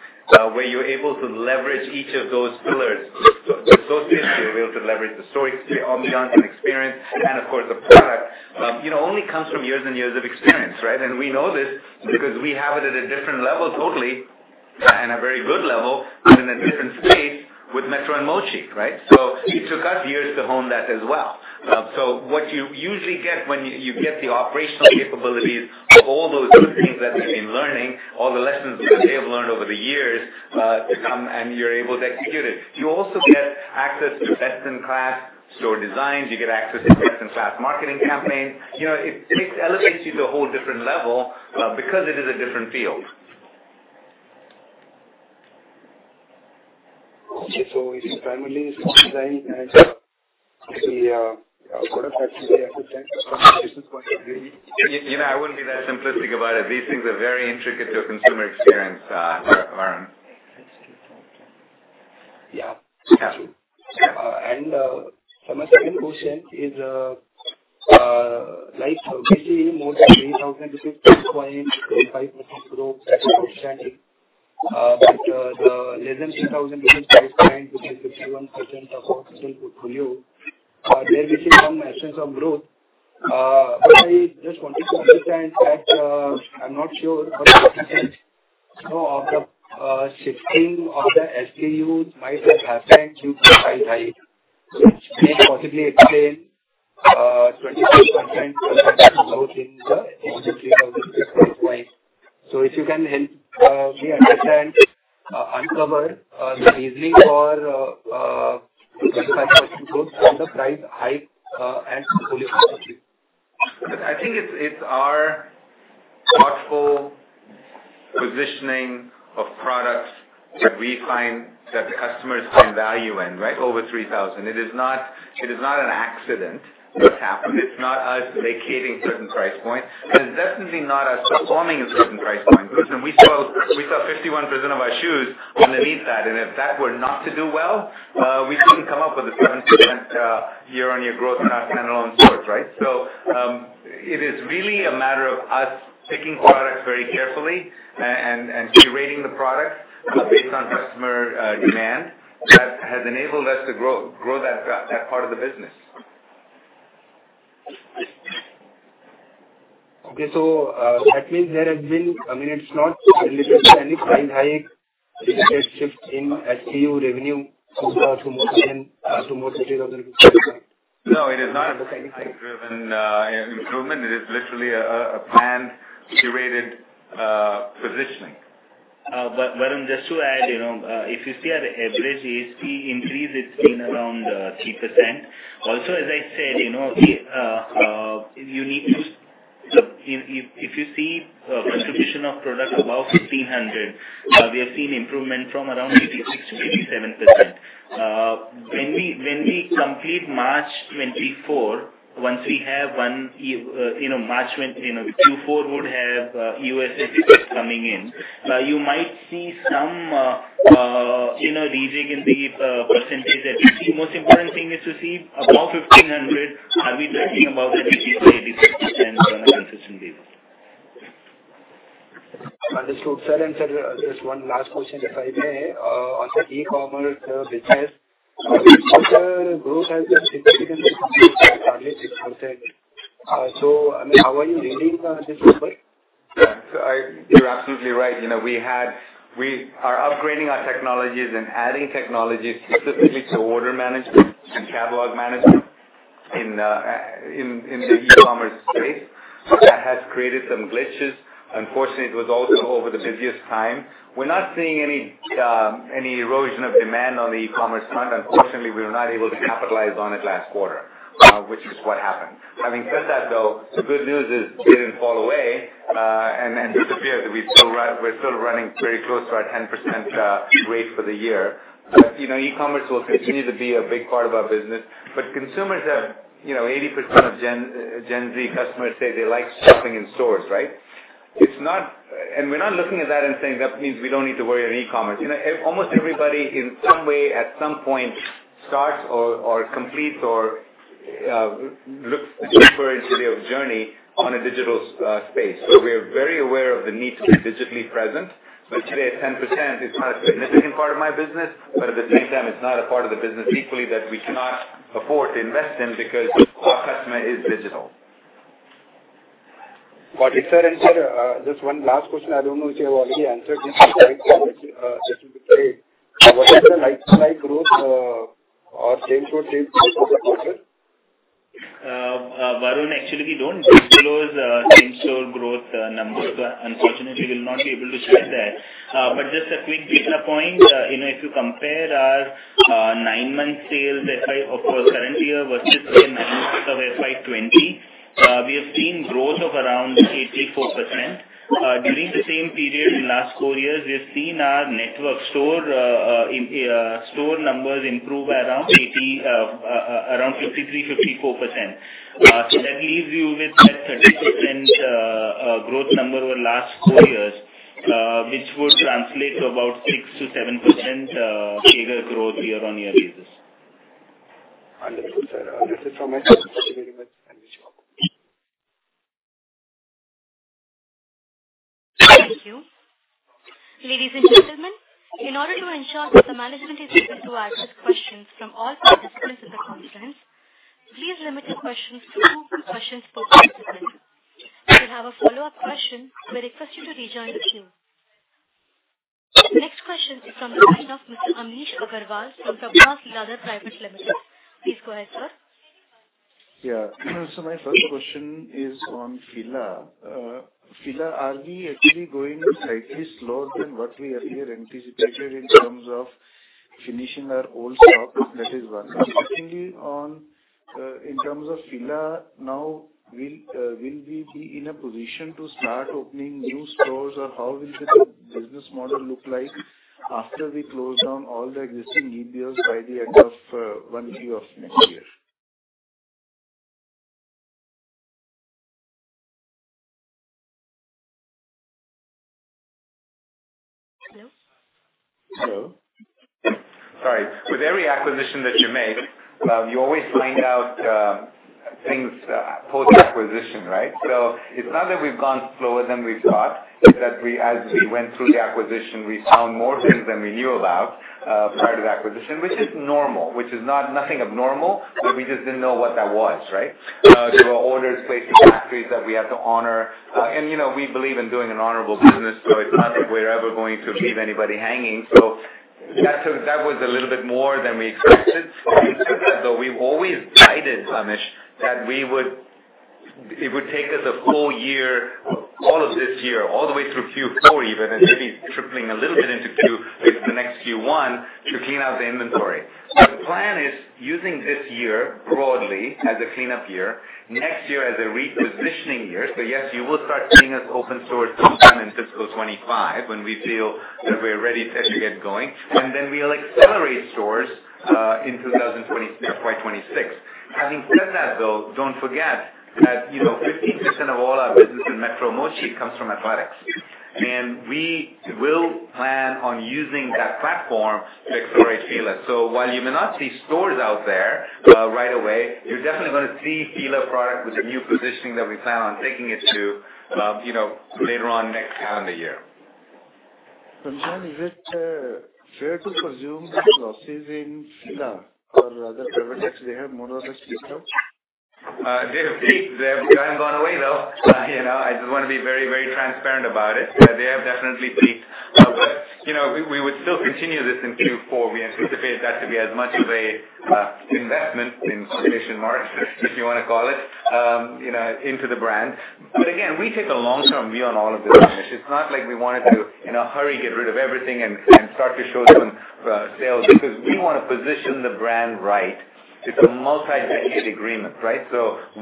where you're able to leverage each of those pillars, the associate experience, you're able to leverage the store experience, omnichannel experience, and of course, the product, only comes from years and years of experience, right? We know this because we have it at a different level totally, and a very good level, and in a different space with Metro and Mochi, right? It took us years to hone that as well. What you usually get when you get the operational capabilities of all those good things that they've been learning, all the lessons that they have learned over the years, they come and you're able to execute it. You also get access to best-in-class store designs. You get access to best-in-class marketing campaigns. It elevates you to a whole different level because it is a different field. Okay. It is primarily store design and the product. I wouldn't be that simplistic about it. These things are very intricate to a consumer experience, Varun. Yeah. Yeah. Sir, my second question is, more than 3,000 is a 2.5% growth that is outstanding. The less than 3,000 is 5.61% of outstanding portfolio. There we see some absence of growth. I just wanted to understand that I'm not sure what is it. Of the shifting of the SKUs might have happened due to price hike, which may possibly explain 25% growth in the INR 3,000 price point. If you can help me understand, uncover the reasoning for 25% growth and the price hike and portfolio. I think it's our thoughtful positioning of products that we find that the customers find value in, right? Over 3,000. It is not an accident, what's happened. It's not us vacating certain price points, but it's definitely not us performing in certain price points. Listen, we sell 51% of our shoes underneath that, and if that were not to do well, we couldn't come up with a 7% year-on-year growth in our standalone stores, right? It is really a matter of us picking products very carefully and curating the products based on customer demand that has enabled us to grow that part of the business. Okay. That means I mean, it's not related to any price hike, it's just a shift in SKU revenue to more INR 3,000. No, it is not a price-driven improvement. It is literally a planned, curated positioning. Varun, just to add, if you see our average ASP increase, it's been around 3%. Also, as I said, if you see contribution of product above 1,500, we have seen improvement from around 86%-87%. When we complete March 2024, Q4 would have U.S. numbers coming in. You might see some easing in the percentage that we see. Most important thing is to see above 1,500, are we tracking above the ASP 80% on a consistent basis. Understood, sir. Sir, just one last question, if I may, on the e-commerce business. Sir, growth has been significantly 6%. How are you reading this number? You're absolutely right. We are upgrading our technologies and adding technologies specifically to order management and catalog management in the e-commerce space. That has created some glitches. Unfortunately, it was also over the busiest time. We're not seeing any erosion of demand on the e-commerce front. Unfortunately, we were not able to capitalize on it last quarter, which is what happened. Having said that, though, the good news is we didn't fall away and disappear. We're still running very close to our 10% rate for the year. E-commerce will continue to be a big part of our business, consumers have 80% of Gen Z customers say they like shopping in stores, right? We're not looking at that and saying, "That means we don't need to worry on e-commerce." Almost everybody in some way, at some point, starts or completes or looks for a journey on a digital space. We are very aware of the need to be digitally present. Today, at 10%, it's not a significant part of my business, at the same time, it's not a part of the business equally that we cannot afford to invest in because our customer is digital. Got it. Sir, just one last question. I don't know if you have already answered this specifically. What is the like-to-like growth or same-store sales this quarter? Varun, actually, we don't disclose same-store growth numbers. Unfortunately, we'll not be able to share that. Just a quick data point, if you compare our nine-month sales of current year versus nine months of FY 2020, we have seen growth of around 84%. During the same period in last four years, we have seen our network store numbers improve by around 53%, 54%. That leaves you with that 13% growth number over last four years, which would translate to about 6%-7% aggregate growth year-on-year basis. Understood, sir. This is from my side. Thank you very much, and wish you all the best. Thank you. Ladies and gentlemen, in order to ensure that the management is able to address questions from all participants in the conference, please limit your questions to two questions per participant. If you have a follow-up question, we request you to rejoin the queue. Next question is from the line of Mr. Amnish Aggarwal from Sabar Das Private Limited. Please go ahead, sir. My first question is on Fila. Fila, are we actually going slightly slower than what we earlier anticipated in terms of finishing our old stock, that is one. Secondly, in terms of Fila, now will we be in a position to start opening new stores, or how will the business model look like after we close down all the existing EBOs by the end of 1Q of next year? Hello? Hello. Sorry. With every acquisition that you make, you always find out things post-acquisition, right? It's not that we've gone slower than we thought, it's that as we went through the acquisition, we found more things than we knew about prior to the acquisition, which is normal, which is nothing abnormal. We just didn't know what that was, right? There were orders placed to factories that we had to honor. We believe in doing an honorable business, so it's not like we're ever going to leave anybody hanging. That was a little bit more than we expected. Having said that, though, we've always guided, Amnish, that it would take us a full year, all of this year, all the way through Q4 even, and maybe tripling a little bit into the next Q1, to clean out the inventory. The plan is using this year broadly as a cleanup year, next year as a repositioning year. Yes, you will start seeing us open stores sometime in fiscal 2025 when we feel that we're ready to get going, and then we'll accelerate stores in FY 2026. Having said that, though, don't forget that 50% of all our business in Metro Mochi comes from athletics, and we will plan on using that platform to accelerate Fila. While you may not see stores out there right away, you're definitely going to see Fila product with the new positioning that we plan on taking it to later on next calendar year. Nissan, is it fair to presume that losses in Fila or rather Cravatex, they have more or less peaked out? They have peaked. They haven't gone away, though. I just want to be very transparent about it. They have definitely peaked. We would still continue this in Q4. We anticipate that to be as much of an "investment," if you want to call it, into the brand. Again, we take a long-term view on all of this, Amnish. It's not like we wanted to, in a hurry, get rid of everything and start to show some sales, because we want to position the brand right. It's a multi-decade agreement, right?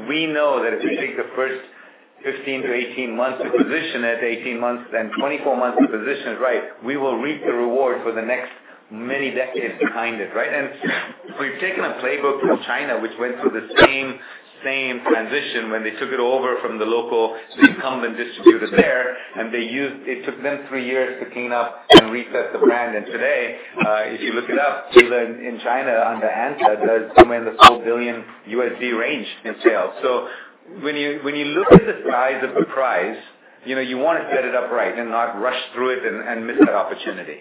We know that if we take the first 15-18 months to position it, 18 months, then 24 months to position it right, we will reap the reward for the next many decades behind it, right? We've taken a playbook from China, which went through the same transition when they took it over from the local incumbent distributor there, and it took them three years to clean up and reset the brand. Today, if you look it up, Fila in China under ANTA does somewhere in the $4 billion range in sales. When you look at the size of the prize, you want to set it up right and not rush through it and miss that opportunity.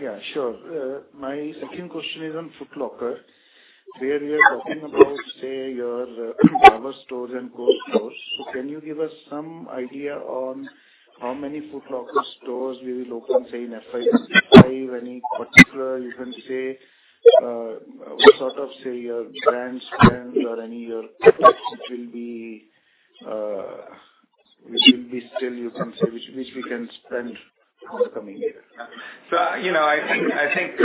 Yeah, sure. My second question is on Foot Locker. There, we are talking about your power stores and core stores. Can you give us some idea on how many Foot Locker stores will open in FY 2025? Any particular, what sort of your brand spend or any your CapEx, which will be still which we can spend on the coming year? I think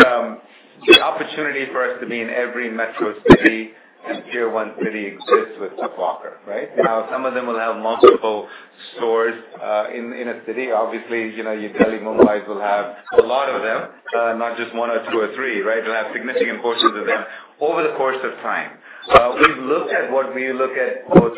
the opportunity for us to be in every metro city and Tier 1 city exists with Foot Locker, right? Some of them will have multiple stores in a city. Obviously, your Delhi, Mumbai will have a lot of them, not just one or two or three, right? Will have significant portions of them over the course of time. We've looked at what we look at both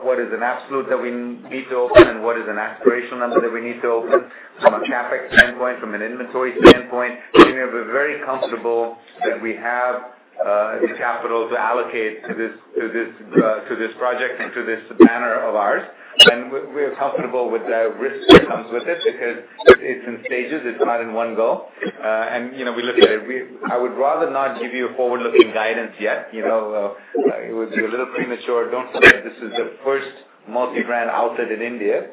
what is an absolute that we need to open and what is an aspirational number that we need to open from a CapEx standpoint, from an inventory standpoint. We're very comfortable that we have the capital to allocate to this project and to this banner of ours. We're comfortable with the risk that comes with it because it's in stages. It's not in one go. We look at it. I would rather not give you forward-looking guidance yet. It would be a little premature. Don't forget, this is the first multi-brand outlet in India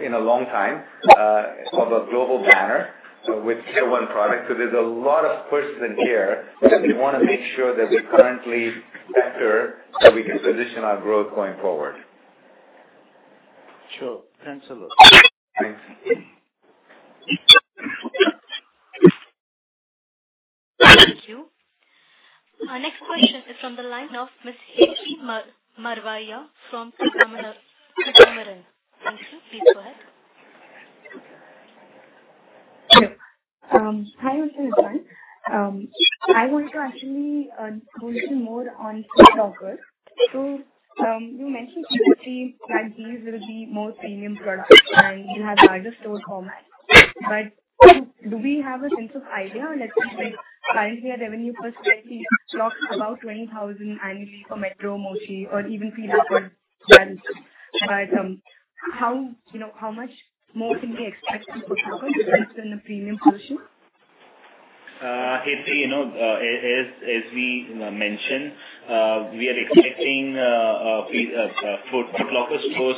in a long time of a global banner with Tier 1 products. There's a lot of firsts in here, and we want to make sure that we currently enter, so we can position our growth going forward. Sure. Pranshul. Thanks. Thank you. Our next question is from the line of Ms. Hetshi Marva from Sukhamaran. Hetshi, please go ahead. Hello. Hi, Pranshu. I wanted to actually go a little more on Foot Locker. You mentioned previously that these will be more premium products and will have larger store formats. Do we have a sense of idea? Let's say, like, currently our revenue perspective talks about 20,000 annually for Metro Mochi or even Fila for brands. How much more can we expect from Foot Locker since they're in the premium position? Hetshi, as we mentioned, we are expecting Foot Locker stores,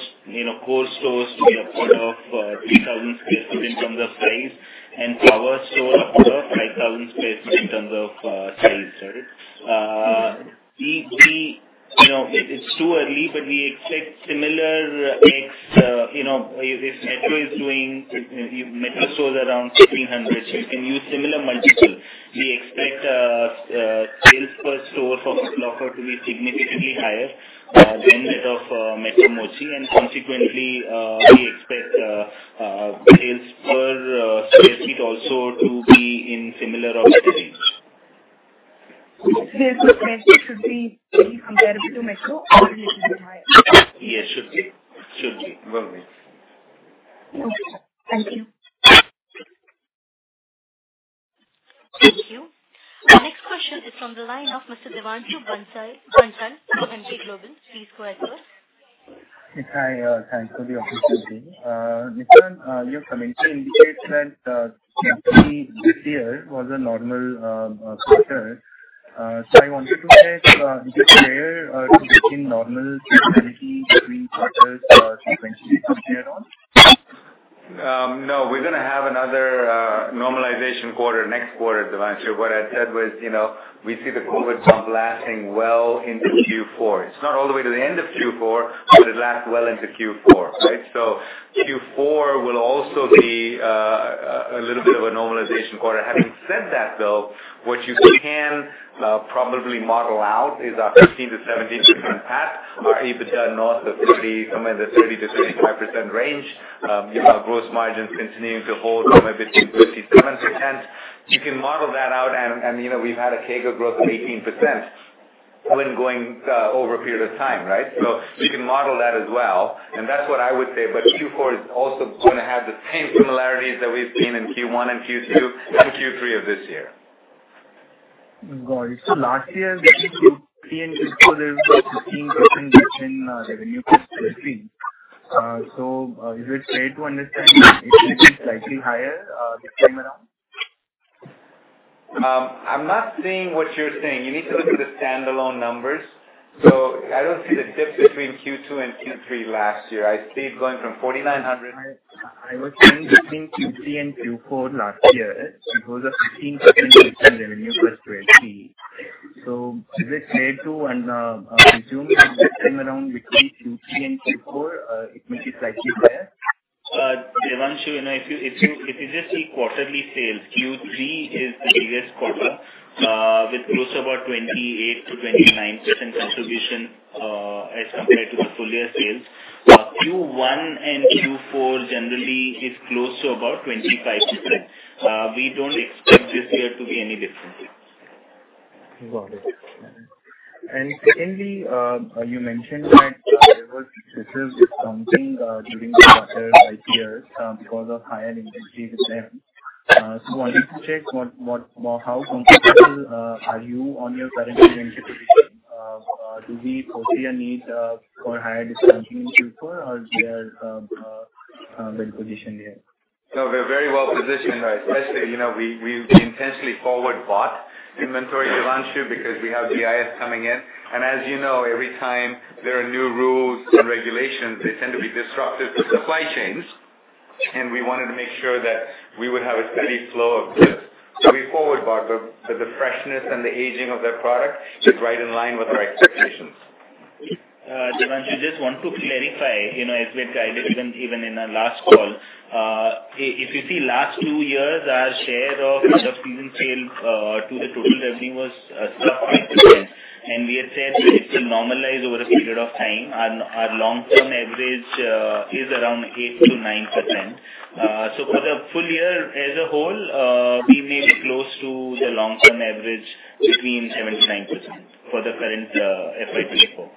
core stores to be a part of 3,000 sq ft in terms of size and power store of 5,000 sq ft in terms of size. Early. We expect similar mix. If Metro is doing Metro stores around 1,500, you can use similar multiples. We expect sales per store for Foot Locker to be significantly higher than that of Metro Merchandise, and consequently, we expect sales per sq ft also to be in similar or better range. Sales per sq ft should be pretty comparable to Metro or a little bit higher? Yes, should be. Very well. Okay. Thank you. Thank you. Next question is from the line of Mr. Devanshu Bhansali from Bhansali Global. Please go ahead, sir. Yes, hi. Thanks for the opportunity. Nissan, your comment indicates that Q3 this year was a normal quarter. I wanted to check, is this year to be seen normal seasonality between quarters sequentially from here on? No, we're going to have another normalization quarter next quarter, Devanshu. What I said was, we see the COVID bump lasting well into Q4. It's not all the way to the end of Q4, but it lasts well into Q4, right? Q4 will also be a little bit of a normalization quarter. Having said that, though, what you can probably model out is our 15%-17% PAT or EBITDA north of 30%, somewhere in the 30%-35% range. You have gross margins continuing to hold somewhere between 37%-10%. You can model that out. We've had a CAGR growth of 18% when going over a period of time, right? You can model that as well, and that's what I would say. Q4 is also going to have the same similarities that we've seen in Q1 and Q2 and Q3 of this year. Got it. Last year between Q3 and Q4, there was a 15% dip in revenue as per the screen. Is it fair to understand that it may be slightly higher this time around? I'm not seeing what you're saying. You need to look at the standalone numbers. I don't see the dip between Q2 and Q3 last year. I see it going from 4,900- I was saying between Q3 and Q4 last year, there was a 15% dip in revenue as per the screen. Is it fair to assume that this time around between Q3 and Q4, it may be slightly higher? Devanshu, if you just see quarterly sales, Q3 is the biggest quarter with close to about 28%-29% contribution as compared to the full year sales. Q1 and Q4 generally is close to about 25%. We don't expect this year to be any different. Secondly, you mentioned that there was aggressive discounting during the quarter last year because of higher inventory with them. I wanted to check how comfortable are you on your current inventory position. Do we foresee a need for higher discounting in Q4 or we are well-positioned there? No, we're very well-positioned. Firstly, we intentionally forward bought inventory, Devanshu, because we have BIS coming in. As you know, every time there are new rules and regulations, they tend to be disruptive to supply chains, and we wanted to make sure that we would have a steady flow of goods. We forward bought the freshness and the aging of their product is right in line with our expectations. Devanshu, just want to clarify, as we had guided even in our last call. If you see last two years, our share of out-of-season sale to the total revenue was 7%-10%, we had said it will normalize over a period of time. Our long-term average is around 8%-9%. For the full year as a whole, we may be close to the long-term average between 7%-9% for the current FY 2024.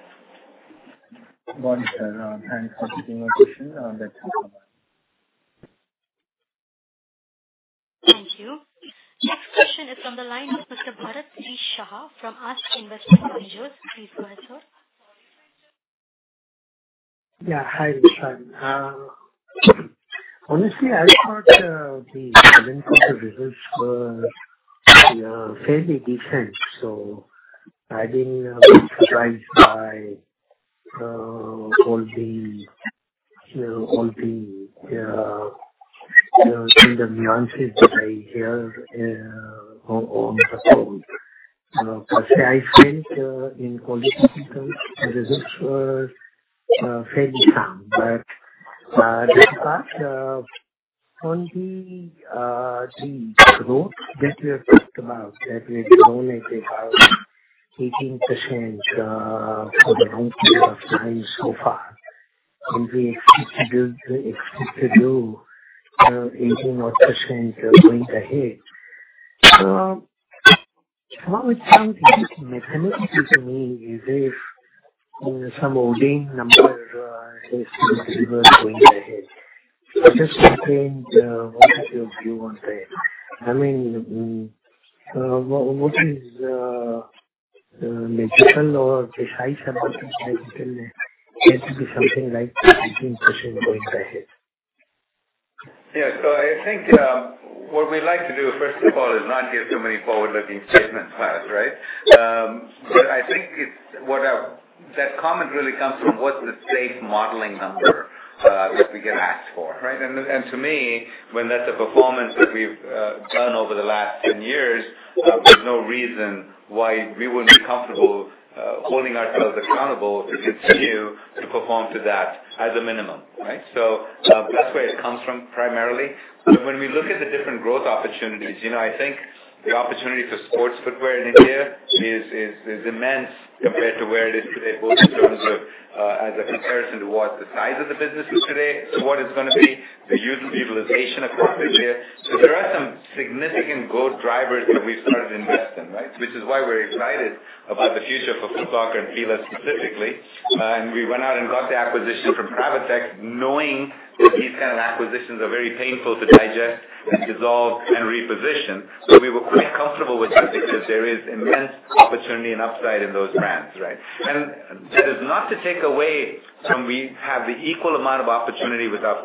Got it. Thanks for taking my question. That's all. Thank you. Next question is from the line of Mr. Bharat Shah from ASK Investment Managers. Please go ahead, sir. Hi, Nissan. Honestly, I thought the winter quarter results were fairly decent. I didn't surprise by all the nuances that I hear on the call. Firstly, I think in quality physical, the results were fairly calm. Nissan, on the growth that we have talked about, that we had grown it about 18% for the whole period of time so far, and we expect to do 18% going ahead. What would sound completely mathematical to me is if some odd number, say 60%, going ahead. Just checking what is your view on that. What is natural or precise about it naturally get to be something like 18% going ahead? I think what we like to do, first of all, is not give too many forward-looking statements, Bharat. I think that comment really comes from what's the safe modeling number that we can ask for, right? To me, when that's a performance that we've done over the last 10 years, there's no reason why we wouldn't be comfortable holding ourselves accountable to continue to perform to that as a minimum, right? That's where it comes from primarily. When we look at the different growth opportunities, I think the opportunity for sports footwear in India is immense compared to where it is today, both in terms of as a comparison to what the size of the business is today to what it's going to be, the utilization across India. There are some significant growth drivers that we've started to invest in, right? Which is why we're excited about the future for Foot Locker and Fila specifically. We went out and got the acquisition from Cravatex, knowing that these kind of acquisitions are very painful to digest and dissolve and reposition. We were quite comfortable with that because there is immense opportunity and upside in those brands, right? That is not to take away from we have the equal amount of opportunity with our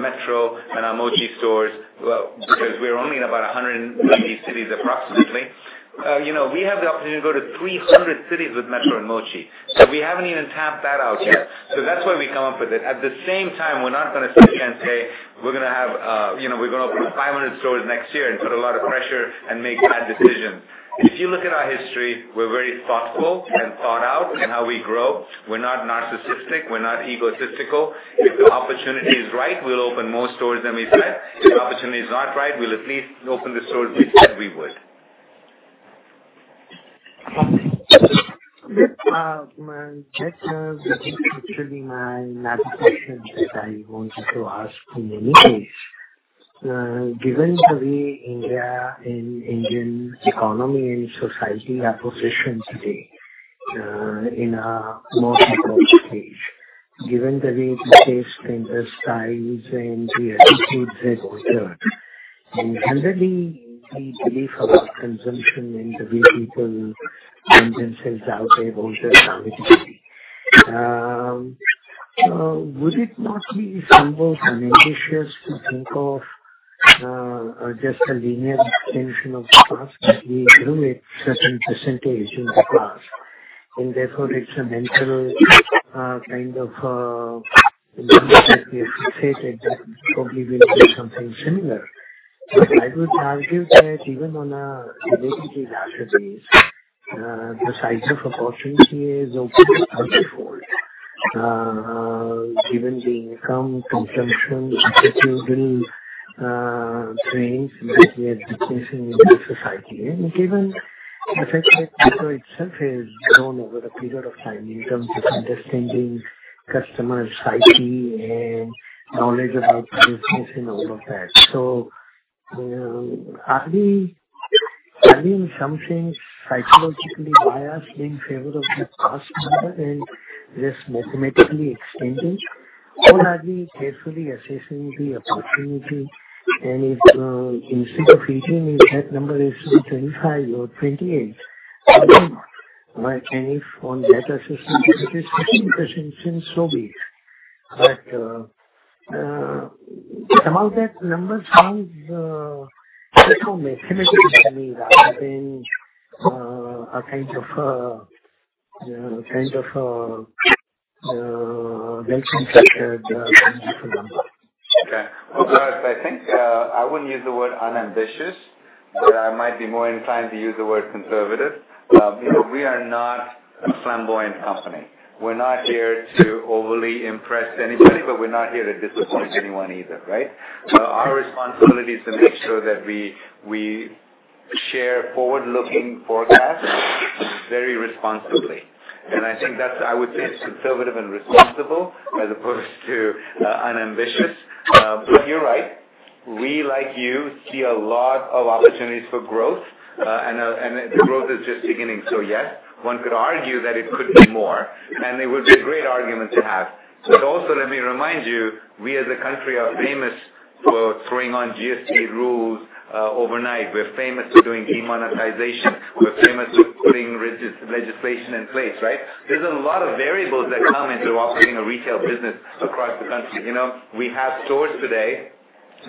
Metro and our Mochi stores, because we're only in about 190 cities approximately. We have the opportunity to go to 300 cities with Metro and Mochi. We haven't even tapped that out yet. That's why we come up with it. At the same time, we're not going to sit and say we're going to open 500 stores next year and put a lot of pressure and make bad decisions. If you look at our history, we're very thoughtful and thought out in how we grow. We're not narcissistic. We're not egotistical. If the opportunity is right, we'll open more stores than we said. If the opportunity is not right, we'll at least open the stores we said we would. That is actually my navigation that I wanted to ask in many ways. Given the way India and Indian economy and society are positioned today, in a more mature stage, given the way the tastes and the styles and the attitudes have altered, and generally the belief about consumption and the way people spend themselves have altered dramatically. Would it not be somewhat unambitious to think of just a linear extension of the past, that we grew at certain % in the past, and therefore it's a natural kind of belief that we have created that probably will do something similar. I would argue that even on a relatively larger base, the size of opportunity is open multifold, given the income, consumption, attitudinal trends that we are witnessing in the society, and given the fact that Metro itself has grown over a period of time in terms of understanding customer psyche and knowledge about business and all of that. Are we in some sense psychologically biased in favor of the past number and just mathematically extending or are we carefully assessing the opportunity and if instead of 18, if that number is 25 or 28, and if on that assessment it is 15% seems so big. About that number sounds so mathematical to me rather than a kind of well constructed kind of a number. Okay. Well, Bharat, I think I wouldn't use the word unambitious, but I might be more inclined to use the word conservative. We are not a flamboyant company. We're not here to overly impress anybody, but we're not here to disappoint anyone either, right? Our responsibility is to make sure that we share forward-looking forecasts very responsibly. I think that's, I would say, it's conservative and responsible as opposed to unambitious. You're right. We, like you, see a lot of opportunities for growth, and the growth is just beginning. Yes, one could argue that it could be more, and it would be a great argument to have. Also, let me remind you, we as a country are famous for throwing on GST rules overnight. We're famous for doing demonetization. We're famous for putting legislation in place, right? There's a lot of variables that come into operating a retail business across the country. We have stores today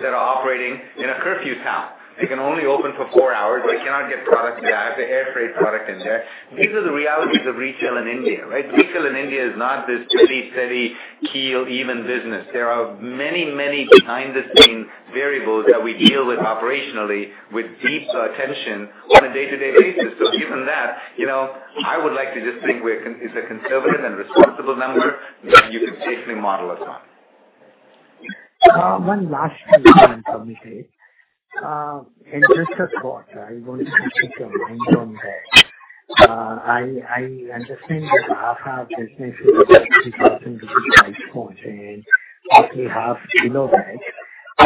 that are operating in a curfew town. They can only open for 4 hours. They cannot get product there. I have to air freight product in there. These are the realities of retail in India, right? Retail in India is not this pretty, clean, even business. There are many behind-the-scene variables that we deal with operationally with deep attention on a day-to-day basis. Given that, I would like to just think it's a conservative and responsible number that you can safely model us on. One last thing. [inaudible] Just a thought, I want to just get your mind on that. I understand that half our business is INR 3,000 price point and roughly half below that,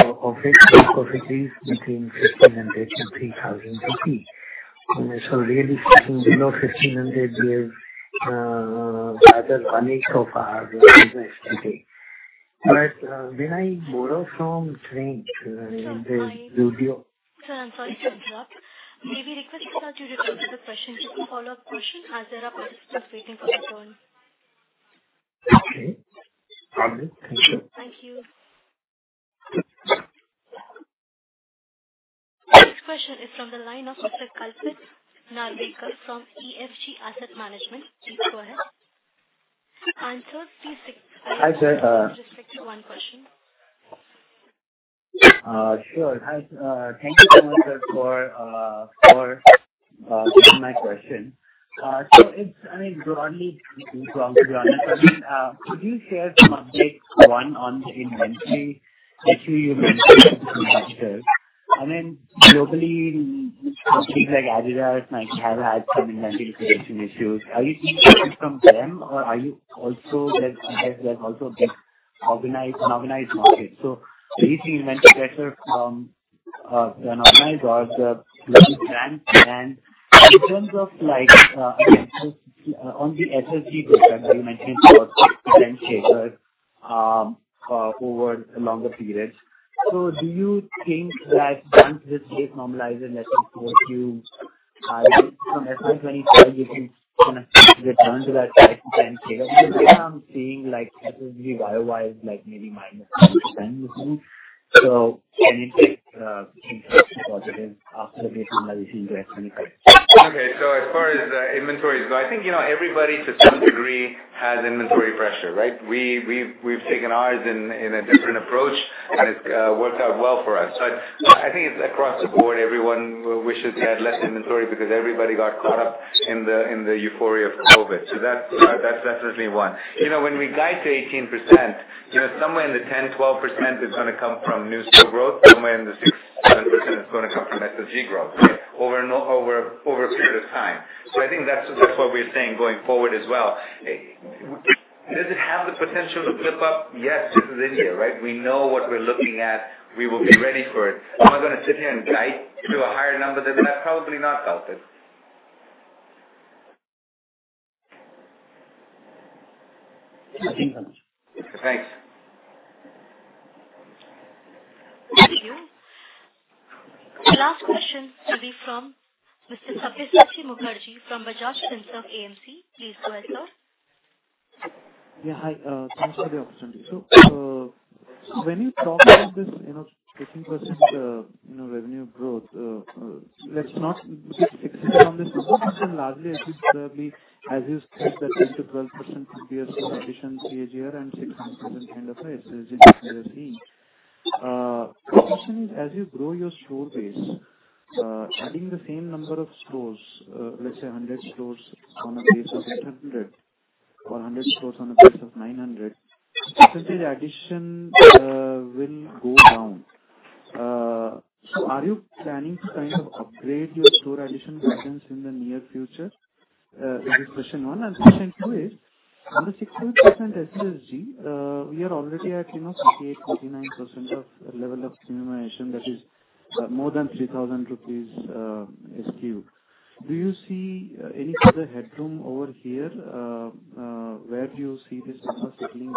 of which 50% is between 1,500 and 3,000. Really sitting below 1,500 gives rather one-eighth of our business today. May I borrow from Trent and its Zudio. Sir, I'm sorry to interrupt. May we request you not to repeat the question? Just a follow-up question as there are participants waiting for their turn. Okay. Got it. Thank you. Thank you. Question is from the line of Mr. Kalpit Narvekar from EFG Asset Management. Please go ahead. Kalpit, please. Hi, sir. Just stick to one question. Sure. Thank you so much, sir, for taking my question. I mean, broadly, 18% is obviously on us. Could you share some updates, one, on the inventory that you mentioned, pressure. Globally, companies like Adidas might have had some inventory creation issues. Are you seeing issues from them or are you also getting organized market? Are you seeing inventory pressure from the organized or the luxury brands? In terms of on the SSG growth that you mentioned about 10% stated over a longer period. Do you think that once this base normalizes, let's say post Q2 from FY 2025, you can return to that 5%-10% stated? Because right now I'm seeing SSG Y-o-Y maybe minus 5% or something. Any take in terms of positives after the base normalization to FY 2025? As far as the inventory is, I think everybody to some degree has inventory pressure, right? We've taken ours in a different approach, and it's worked out well for us. I think it's across the board. Everyone wishes they had less inventory because everybody got caught up in the euphoria of COVID. That's definitely one. When we guide to 18%, somewhere in the 10%-11% is going to come from new store growth, somewhere in the 6%-7% is going to come from SSG growth over a period of time. I think that's what we're saying going forward as well. Does it have the potential to flip up? Yes. This is India, right? We know what we're looking at. We will be ready for it. Am I going to sit here and guide to a higher number than that? Probably not, Kalpit. Thank you very much. Thanks. Thank you. Last question will be from Mr. Sabyasachi Mukerji from Bajaj Finserv AMC. Please go ahead, sir. Yeah, hi. Thanks for the opportunity. When you talk about this 18% revenue growth, let's not get fixated on this. This is largely achieved probably as you said that 10%-12% previous addition CAGR and 6%-8% kind of SSG. As you grow your store base, adding the same number of stores, let's say 100 stores on a base of 800 or 100 stores on a base of 900, percentage addition will go down. Are you planning to upgrade your store addition guidance in the near future? This is question one. Question two is, on the 16% SSG, we are already at 38%-39% of level of premiumization, that is more than 3,000 rupees SKU. Do you see any further headroom over here? Where do you see this number settling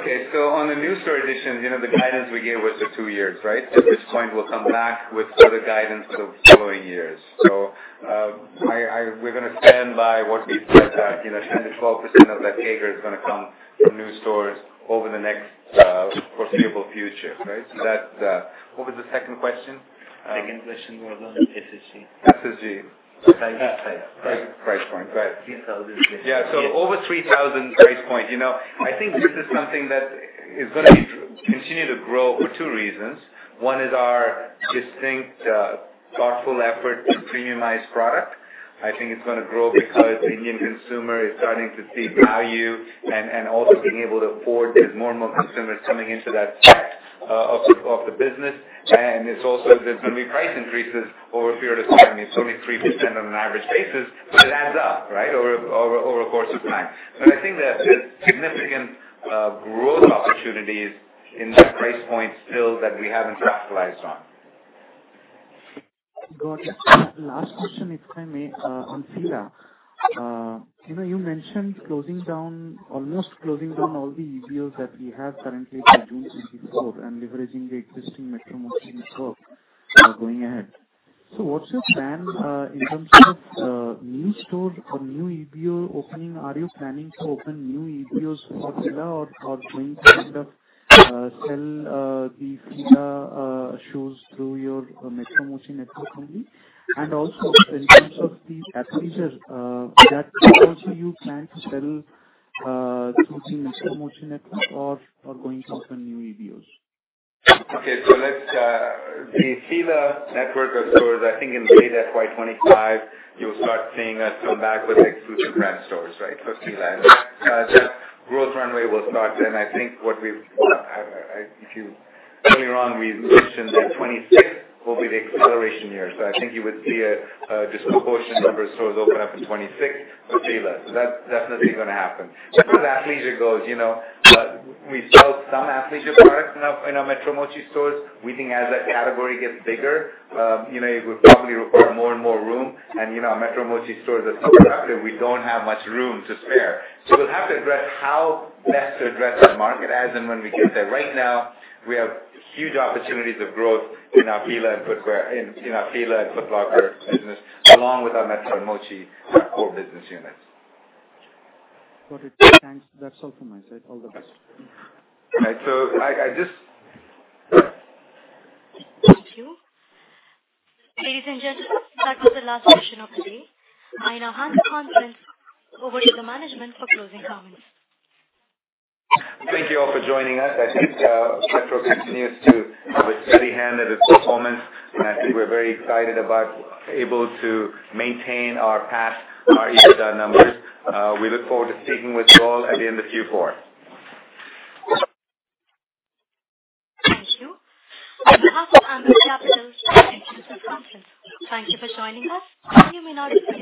down? On the new store addition, the guidance we gave was for two years, right? At which point we'll come back with further guidance of following years. We're going to stand by what we said, 10%-12% of that CAGR is going to come from new stores over the next foreseeable future, right? What was the second question? Second question was on SSG. SSG. Price. Price point. Right. 3,000. Over 3,000 price point. I think this is something that is going to continue to grow for two reasons. One is our distinct, thoughtful effort to premiumize product. I think it's going to grow because the Indian consumer is starting to seek value and also being able to afford because more and more consumers coming into that set of the business. It's also there's going to be price increases over a period of time. It's only 3% on an average basis, but it adds up over a course of time. I think there's significant growth opportunities in that price point still that we haven't capitalized on. Got it. Last question, if I may, on Fila. You mentioned almost closing down all the EBOs that we have currently by June 2024 and leveraging the existing Metro, Mochi network going ahead. What's your plan in terms of new store or new EBO opening? Are you planning to open new EBOs for Fila or going to sell the Fila shoes through your Metro, Mochi network only? Also in terms of the Athleisure, that also you plan to sell through the Metro, Mochi network or going to open new EBOs? Okay. The Fila network of stores, I think in maybe that FY 2025, you'll start seeing us come back with exclusive brand stores, right? For Fila. That growth runway will start then. I think, correct me if I'm wrong, we mentioned that 2026 will be the acceleration year. I think you would see a disproportionate number of stores open up in 2026 for Fila. That's definitely going to happen. As far as Athleisure goes, we sell some Athleisure products in our Metro Mochi stores. We think as that category gets bigger, it would probably require more and more room. Metro Mochi stores are super crowded. We don't have much room to spare. We'll have to address how best to address that market as and when we get there. Right now, we have huge opportunities of growth in our Fila and Foot Locker business, along with our Metro Mochi core business units. Got it. Thanks. That's all from my side. All the best. Right. Thank you. Ladies and gentlemen, that was the last question of the day. I now hand the conference over to the management for closing comments. Thank you all for joining us. I think Metro continues to have a steady hand at its performance, and I think we're very excited about able to maintain our PAT, our EBITDA numbers. We look forward to speaking with you all again in the Q4. Thank you. On behalf of Ambit Capital, thank you for the conference. Thank you for joining us. You may now disconnect your lines.